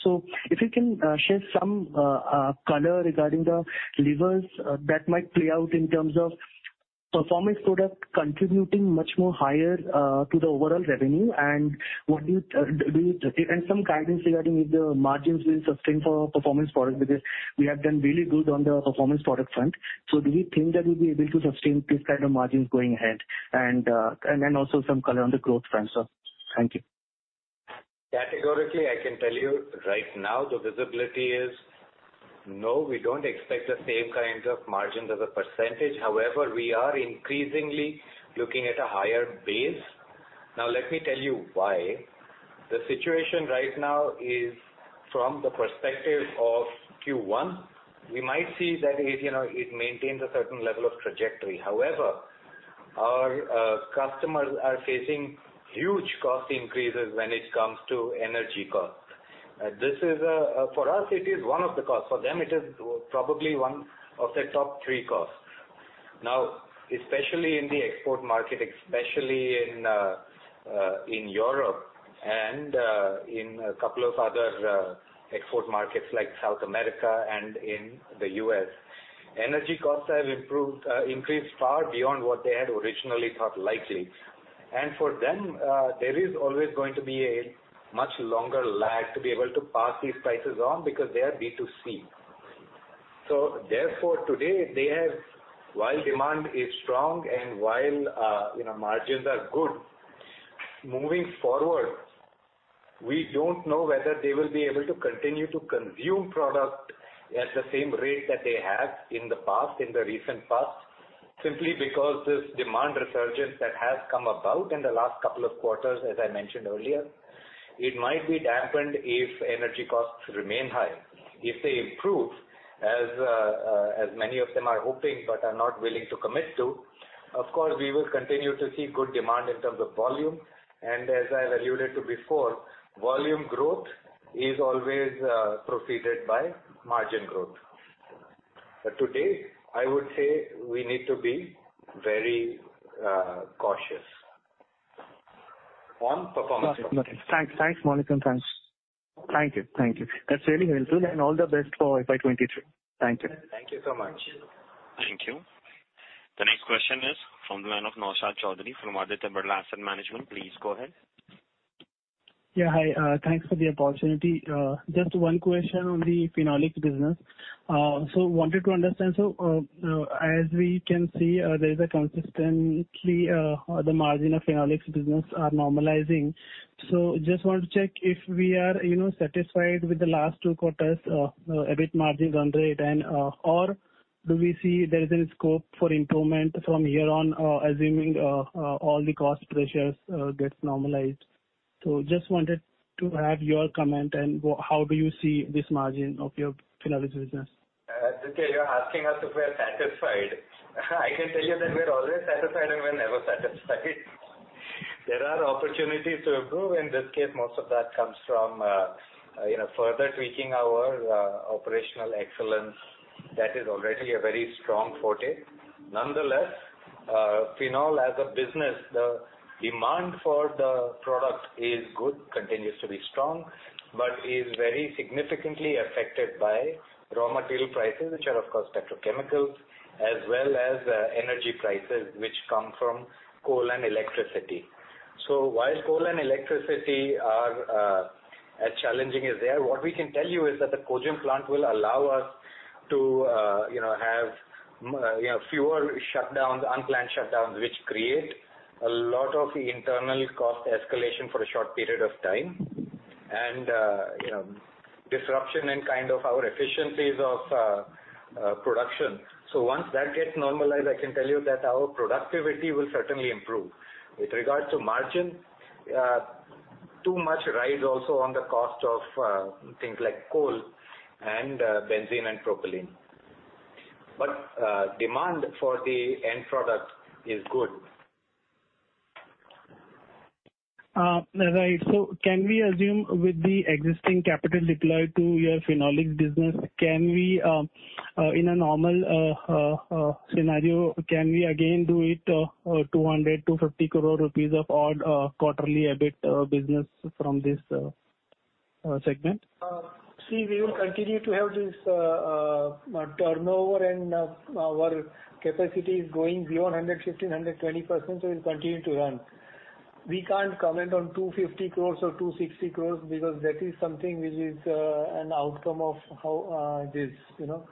If you can share some color regarding the levers that might play out in terms of- Performance Products contributing much more higher to the overall revenue. Some guidance regarding if the margins will sustain for Performance Products, because we have done really good on the Performance Products front. Do we think that we'll be able to sustain this kind of margins going ahead? Then also some color on the growth front, sir. Thank you. Categorically, I can tell you right now the visibility is, no, we don't expect the same kind of margins as a percentage. However, we are increasingly looking at a higher base. Now let me tell you why. The situation right now is from the perspective of Q1. We might see that it, you know, it maintains a certain level of trajectory. However, our customers are facing huge cost increases when it comes to energy costs. This is for us it is one of the costs. For them, it is probably one of their top three costs. Now, especially in the export market, especially in Europe and in a couple of other export markets like South America and in the U.S., energy costs have increased far beyond what they had originally thought likely. For them, there is always going to be a much longer lag to be able to pass these prices on because they are B2C. Therefore, while demand is strong and while, you know, margins are good, moving forward, we don't know whether they will be able to continue to consume product at the same rate that they have in the past, in the recent past, simply because this demand resurgence that has come about in the last couple of quarters, as I mentioned earlier, it might be dampened if energy costs remain high. If they improve, as many of them are hoping, but are not willing to commit to, of course, we will continue to see good demand in terms of volume. As I've alluded to before, volume growth is always preceded by margin growth. Today, I would say we need to be very cautious on performance. Okay. Thanks. Thanks, Maulik. Thanks. Thank you. Thank you. That's really helpful. All the best for FY 2023. Thank you. Thank you so much. Thank you. The next question is from the line of Naushad Chaudhary from Aditya Birla Sun Life AMC. Please go ahead. Yeah, hi. Thanks for the opportunity. Just one question on the phenolics business. Wanted to understand, as we can see, there is consistently the margin of phenolics business are normalizing. Just want to check if we are, you know, satisfied with the last two quarters EBIT margins run rate and or do we see there is any scope for improvement from here on, assuming all the cost pressures gets normalized. Just wanted to have your comment and how do you see this margin of your phenolics business? Since you're asking us if we are satisfied, I can tell you that we are always satisfied and we're never satisfied. There are opportunities to improve. In this case, most of that comes from, you know, further tweaking our operational excellence. That is already a very strong forte. Nonetheless, phenol as a business, the demand for the product is good, continues to be strong, but is very significantly affected by raw material prices, which are of course petrochemical, as well as, energy prices which come from coal and electricity. While coal and electricity are as challenging as they are, what we can tell you is that the Cogen plant will allow us to, you know, have fewer shutdowns, unplanned shutdowns, which create a lot of internal cost escalation for a short period of time and, you know, disruption in kind of our efficiencies of production. Once that gets normalized, I can tell you that our productivity will certainly improve. With regards to margin, too much rise also on the cost of things like coal and benzene and propylene. Demand for the end product is good. Right. Can we assume with the existing capital deployed to your phenolics business, in a normal scenario, can we again do it, 250 crore rupees or so quarterly EBIT business from this segment? See, we will continue to have this, turnover and, our capacity is going beyond 115%-120%, we'll continue to run. We can't comment on 250 crores or 260 crores because that is something which is, an outcome of how, it is, you know.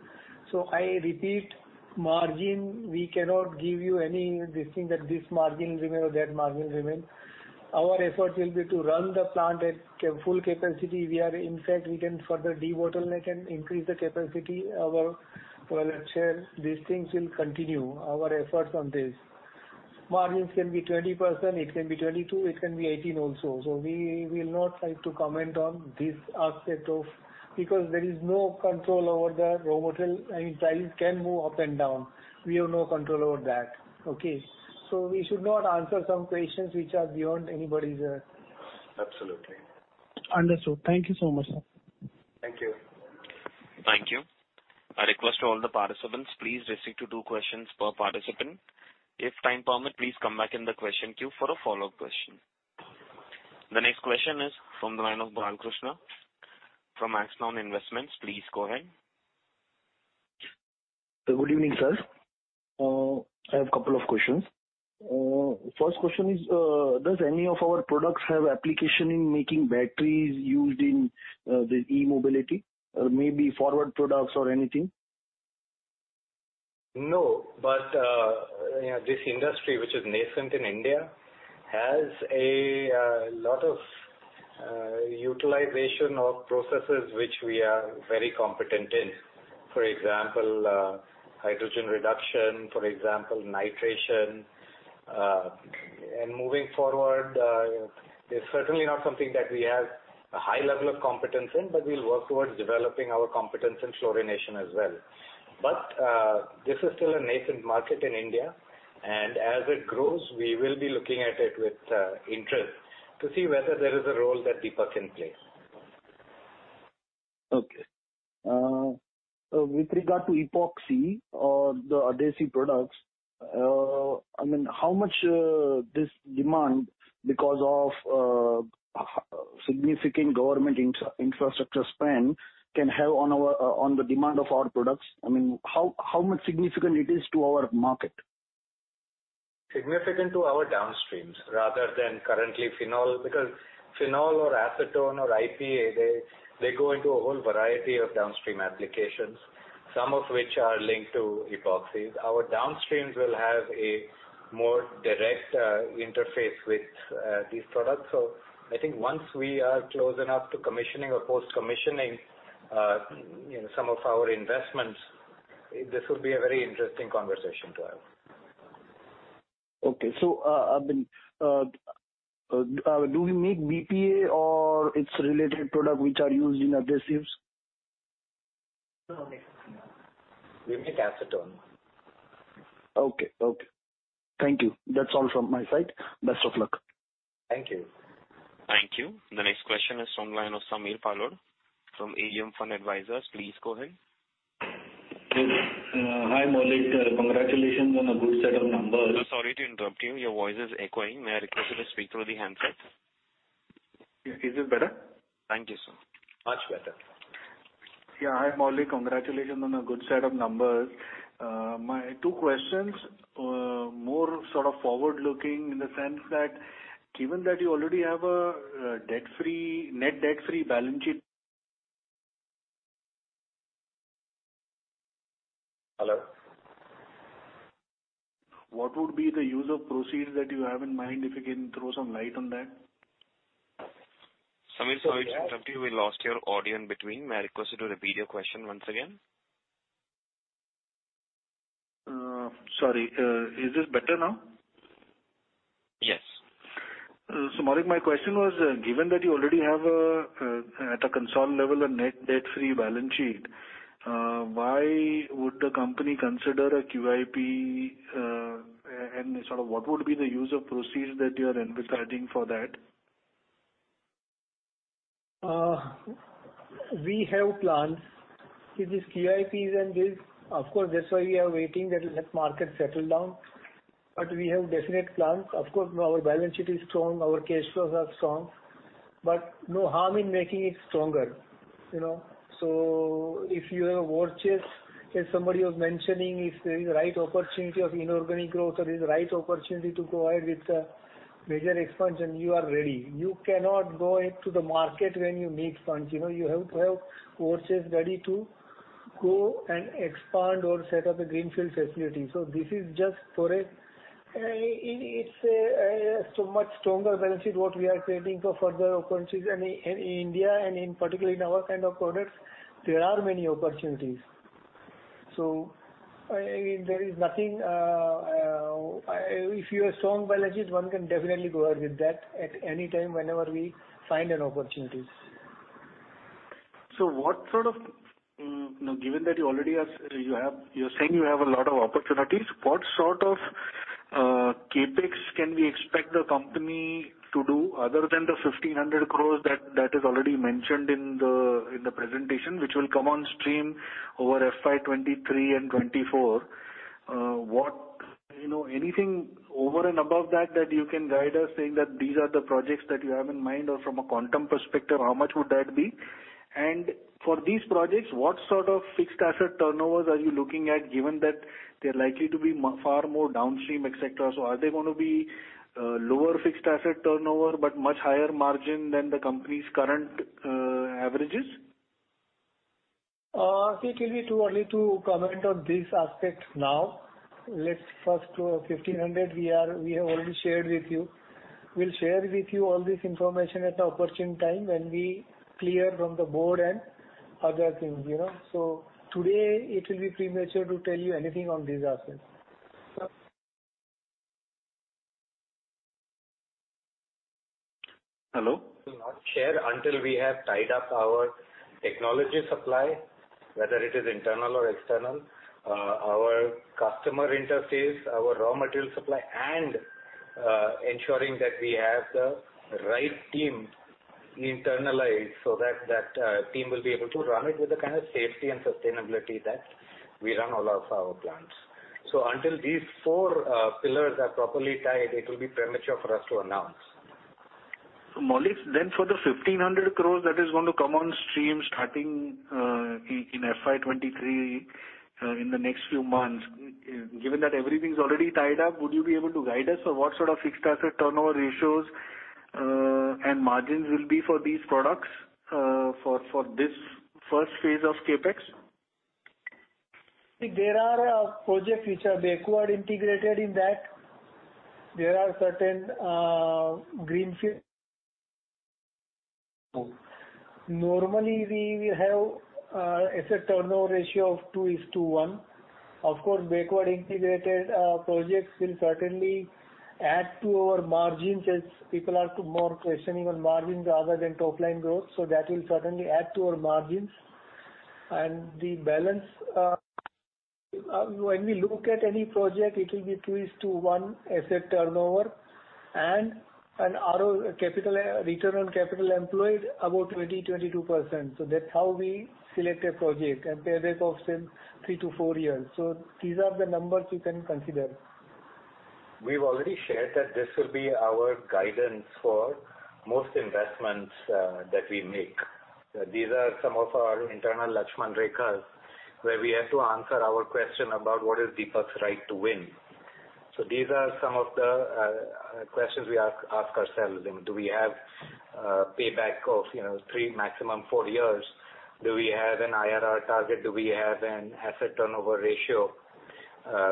I repeat, margin, we cannot give you any this thing that this margin remain or that margin remain. Our effort will be to run the plant at full capacity. We are in fact we can further debottleneck and increase the capacity, our, well, share. These things will continue, our efforts on this. Margins can be 20%, it can be 22%, it can be 18% also. We will not like to comment on this aspect of. Because there is no control over the raw material and price can move up and down. We have no control over that. Okay? We should not answer some questions which are beyond anybody's, Absolutely. Understood. Thank you so much, sir. Thank you. Thank you. I request all the participants, please restrict to two questions per participant. If time permit, please come back in the question queue for a follow-up question. The next question is from the line of Bal Krishna from Axon Investments. Please go ahead. Good evening, sir. I have a couple of questions. First question is, does any of our products have application in making batteries used in the e-mobility? Maybe forward products or anything? No. You know, this industry, which is nascent in India, has a lot of utilization of processes which we are very competent in. For example, hydrogen reduction, for example, nitration. Moving forward, it's certainly not something that we have a high level of competence in, but we'll work towards developing our competence in fluorination as well. This is still a nascent market in India. As it grows, we will be looking at it with interest to see whether there is a role that Deepak can play. Okay, with regard to epoxy or the adhesive products, I mean, how much this demand because of significant government infrastructure spend can have on the demand of our products? I mean, how much significant it is to our market? Significant to our downstreams rather than currently phenol. Because phenol or acetone or IPA, they go into a whole variety of downstream applications, some of which are linked to epoxies. Our downstreams will have a more direct interface with these products. I think once we are close enough to commissioning or post-commissioning, some of our investments, this will be a very interesting conversation to have. I mean, do we make BPA or its related product which are used in adhesives? No, we make acetone. Okay. Okay. Thank you. That's all from my side. Best of luck. Thank you. Thank you. The next question is from the line of Samir Palod from AUM Fund Advisors. Please go ahead. Good. Hi, Maulik. Congratulations on a good set of numbers. Sorry to interrupt you, your voice is echoing. May I request you to speak through the handset? Is this better? Thank you, sir. Much better. Yeah. Hi, Maulik. Congratulations on a good set of numbers. My two questions, more sort of forward-looking in the sense that given that you already have a debt-free, net debt-free balance sheet. Hello? What would be the use of proceeds that you have in mind, if you can throw some light on that. Samir, sorry to interrupt you. We lost your audio in between. May I request you to repeat your question once again. Sorry. Is this better now? Yes. Maulik, my question was, given that you already have, at a consolidated level, a net debt-free balance sheet, why would the company consider a QIP, and sort of what would be the use of proceeds that you are envisioning for that? We have plans. It is QIPs and this, of course, that's why we are waiting for the market to settle down. We have definite plans. Of course, our balance sheet is strong, our cash flows are strong, but no harm in making it stronger, you know. If you have war chest, as somebody was mentioning, if there is a right opportunity of inorganic growth or is the right opportunity to go ahead with the major expansion, you are ready. You cannot go into the market when you need funds. You know, you have to have war chest ready to go and expand or set up a greenfield facility. This is just for a it's a so much stronger balance sheet what we are creating for further opportunities in India and in particular in our kind of products, there are many opportunities. I mean, there is nothing. If you have strong balance sheet, one can definitely go ahead with that at any time whenever we find an opportunity. Now given that you already have, you're saying you have a lot of opportunities, what sort of CapEx can we expect the company to do other than the 1,500 crore that is already mentioned in the presentation, which will come on stream over FY 2023 and 2024? Anything over and above that you can guide us, saying that these are the projects that you have in mind, or from a quantum perspective, how much would that be? And for these projects, what sort of fixed asset turnovers are you looking at, given that they're likely to be far more downstream, et cetera. Are they gonna be lower fixed asset turnover but much higher margin than the company's current averages? I think it'll be too early to comment on this aspect now. Let's first do our 1,500. We have already shared with you. We'll share with you all this information at the opportune time when we clear from the board and other things, you know. Today it will be premature to tell you anything on these aspects. Hello? We will not share until we have tied up our technology supply, whether it is internal or external, our customer interface, our raw material supply, and ensuring that we have the right team internalize so that the team will be able to run it with the kind of safety and sustainability that we run all of our plants. Until these four pillars are properly tied, it will be premature for us to announce. Maulik, for the 1,500 crores that is going to come on stream starting in FY 2023 in the next few months, given that everything's already tied up, would you be able to guide us on what sort of fixed asset turnover ratios and margins will be for these products for this first phase of CapEx? There are projects which are backward integrated in that. There are certain greenfield. Normally, we have asset turnover ratio of 2 to 1. Of course, backward integrated projects will certainly add to our margins as people are more questioning on margins other than top-line growth. That will certainly add to our margins. The balance, when we look at any project, it will be 2 to 1 asset turnover and a return on capital employed about 20%-22%. That's how we select a project and payback of say three to four years. These are the numbers you can consider. We've already shared that this will be our guidance for most investments that we make. These are some of our internal Lakshman Rekhas, where we have to answer our question about what is Deepak's right to win. These are some of the questions we ask ourselves. Do we have a payback of, you know, three, maximum four years? Do we have an IRR target? Do we have an asset turnover ratio,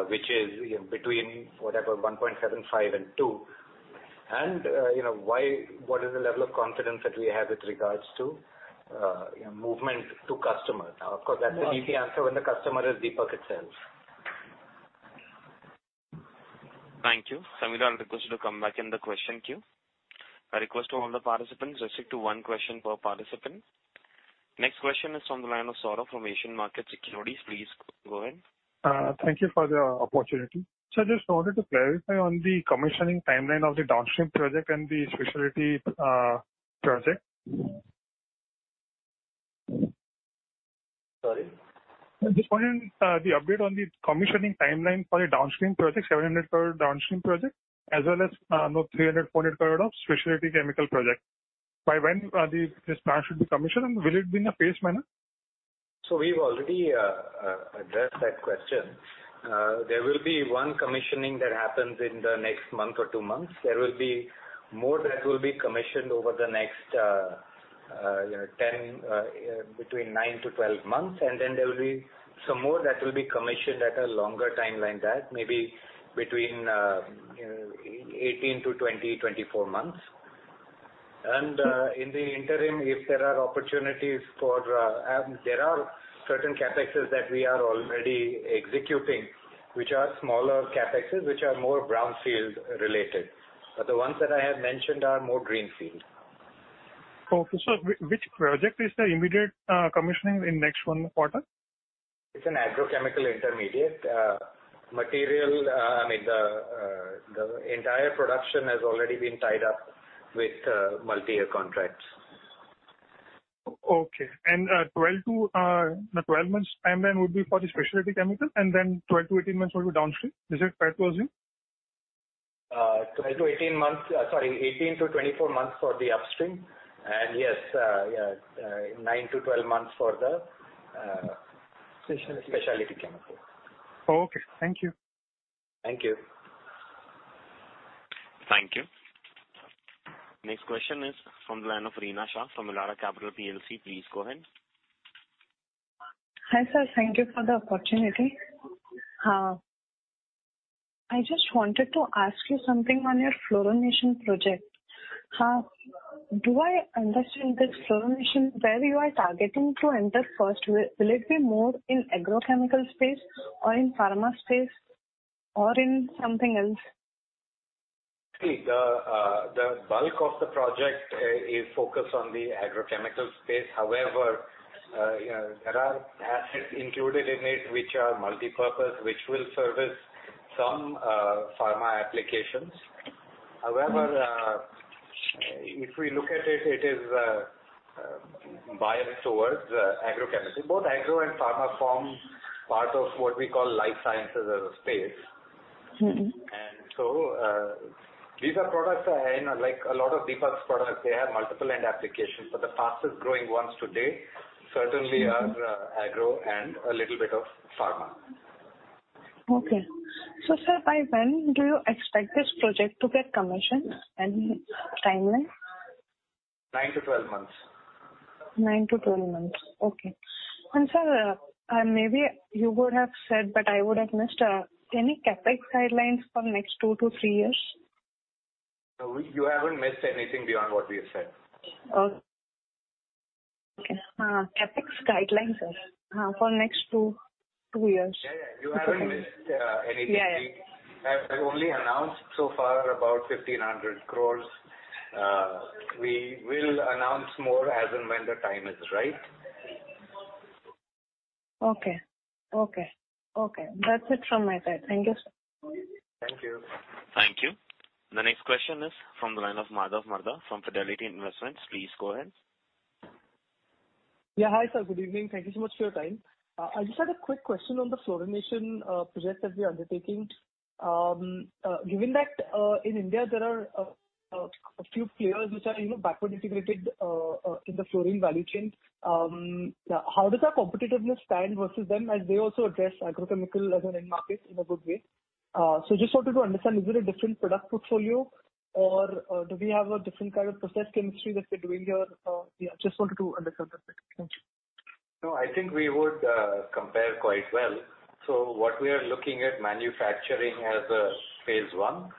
which is between, whatever, 1.75 and 2? You know, what is the level of confidence that we have with regards to movement to customer? Now, of course, that's an easy answer when the customer is Deepak itself. Thank you. Samir, I'll request you to come back in the question queue. I request to all the participants, restrict to one question per participant. Next question is from the line of Saurabh from Asian Markets Securities. Please go ahead. Thank you for the opportunity. Just wanted to clarify on the commissioning timeline of the downstream project and the specialty project. Sorry? Just wanted the update on the commissioning timeline for the downstream project, 700 crore downstream project, as well as another 300-400 crore of specialty chemical project. By when this plant should be commissioned, and will it be in a phased manner? We've already addressed that question. There will be one commissioning that happens in the next month or two months. There will be more that will be commissioned over the next 9-12 months, and then there will be some more that will be commissioned at a longer timeline that maybe between 18-24 months. In the interim, there are certain CapExes that we are already executing, which are smaller CapExes, which are more brownfield related. The ones that I have mentioned are more greenfield. Okay. Which project is the immediate commissioning in next 1 quarter? It's an agrochemical intermediate. I mean, the entire production has already been tied up with multi-year contracts. Okay. 12- to 12-month timeline would be for the specialty chemical, and then 12-18 months will be downstream. Is it fair to assume? 18-24 months for the upstream. 9-12 months for the, Specialty. specialty chemical. Okay. Thank you. Thank you. Thank you. Next question is from the line of Reena Shah from Elara Capital PLC. Please go ahead. Hi, sir. Thank you for the opportunity. I just wanted to ask you something on your fluorination project. Do I understand this fluorination, where you are targeting to enter first? Will it be more in agrochemical space or in pharma space or in something else? The bulk of the project is focused on the agrochemical space. However, you know, there are assets included in it which are multipurpose, which will service some pharma applications. However, if we look at it is biased towards agrochemicals. Both agro and pharma form part of what we call life sciences as a space. These are products, you know, like a lot of Deepak's products, they have multiple end applications, but the fastest growing ones today certainly are agro and a little bit of pharma. Okay. Sir, by when do you expect this project to get commissioned? Any timeline? 9-12 months. 9-12 months. Okay. Sir, maybe you would have said, but I would have missed. Any CapEx guidelines for next two to three years? No, you haven't missed anything beyond what we have said. Okay. CapEx guidelines, sir, for next two years. Yeah, yeah. You haven't missed anything. Yeah, yeah. We have only announced so far about 1,500 crore. We will announce more as and when the time is right. Okay. That's it from my side. Thank you, sir. Thank you. Thank you. The next question is from the line of Madhav Marda from Fidelity International. Please go ahead. Yeah. Hi, sir. Good evening. Thank you so much for your time. I just had a quick question on the fluorination project that we are undertaking. Given that in India there are a few players which are, you know, backward integrated in the fluorine value chain, how does our competitiveness stand versus them as they also address agrochemical as an end market in a good way? Just wanted to understand is it a different product portfolio or do we have a different kind of process chemistry that we're doing here? Yeah, just wanted to understand that better. Thank you. No, I think we would compare quite well. What we are looking at manufacturing as a phase one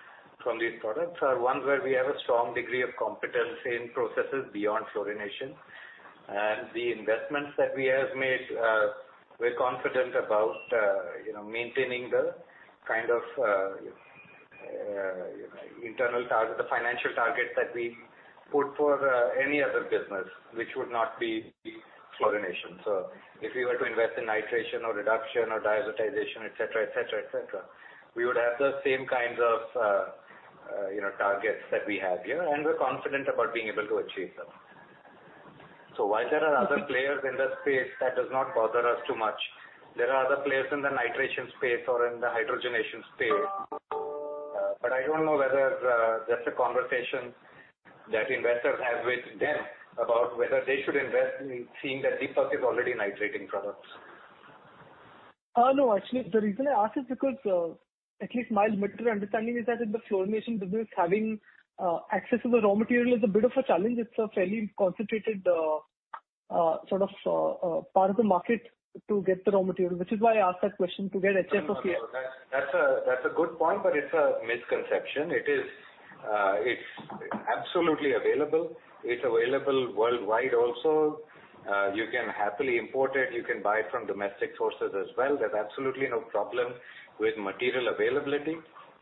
from these products are ones where we have a strong degree of competency in processes beyond fluorination. The investments that we have made, we're confident about you know, maintaining the kind of internal target, the financial target that we put for any other business, which would not be fluorination. If we were to invest in nitration or reduction or diazotization, et cetera, et cetera, et cetera, we would have the same kinds of you know, targets that we have here, and we're confident about being able to achieve them. While there are other players in that space, that does not bother us too much. There are other players in the nitration space or in the hydrogenation space. I don't know whether that's a conversation that investors have with them about whether they should invest in, seeing that Deepak is already nitrating products. No. Actually, the reason I ask is because at least my limited understanding is that in the fluorination business, having access to the raw material is a bit of a challenge. It's a fairly concentrated sort of part of the market to get the raw material, which is why I asked that question to get HF. No. That's a good point, but it's a misconception. It is, it's absolutely available. It's available worldwide also. You can happily import it. You can buy it from domestic sources as well. There's absolutely no problem with material availability.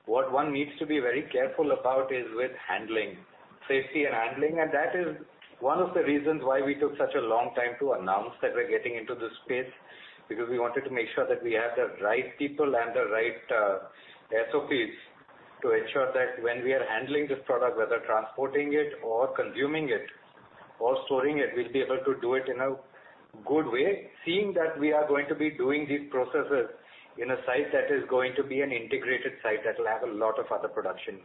What one needs to be very careful about is with handling and safety. That is one of the reasons why we took such a long time to announce that we're getting into this space, because we wanted to make sure that we have the right people and the right SOPs to ensure that when we are handling this product, whether transporting it or consuming it or storing it, we'll be able to do it in a good way, seeing that we are going to be doing these processes in a site that is going to be an integrated site that will have a lot of other production.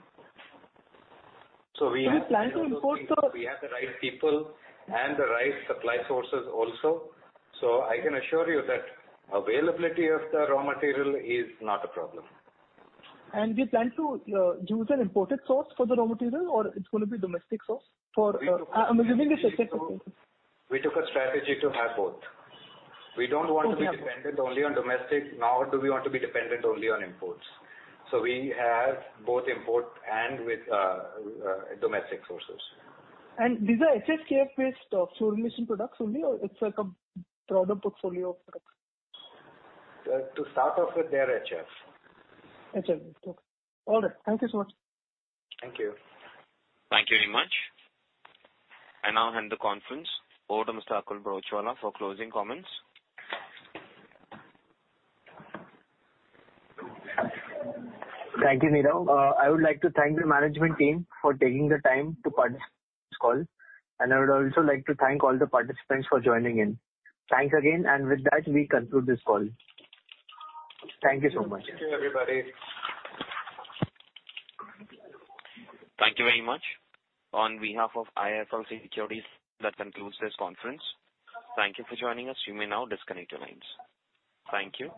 Do you plan to import the? We have the right people and the right supply sources also. I can assure you that availability of the raw material is not a problem. Do you plan to use an imported source for the raw material, or it's gonna be domestic source for the raw material? I'm assuming it's HF. We took a strategy to have both. Both you have. We don't want to be dependent only on domestic, nor do we want to be dependent only on imports. We have both import and domestic sources. These are HF-based fluorination products only, or it's like a broader portfolio of products? To start off with, they're HF. HF. Okay. All right. Thank you so much. Thank you. Thank you very much. I now hand the conference over to Mr. Akul Broachwala for closing comments. Thank you, Nirav. I would like to thank the management team for taking the time to participate in this call, and I would also like to thank all the participants for joining in. Thanks again. With that, we conclude this call. Thank you so much. Thank you, everybody. Thank you very much. On behalf of IIFL Securities, that concludes this conference. Thank you for joining us. You may now disconnect your lines. Thank you.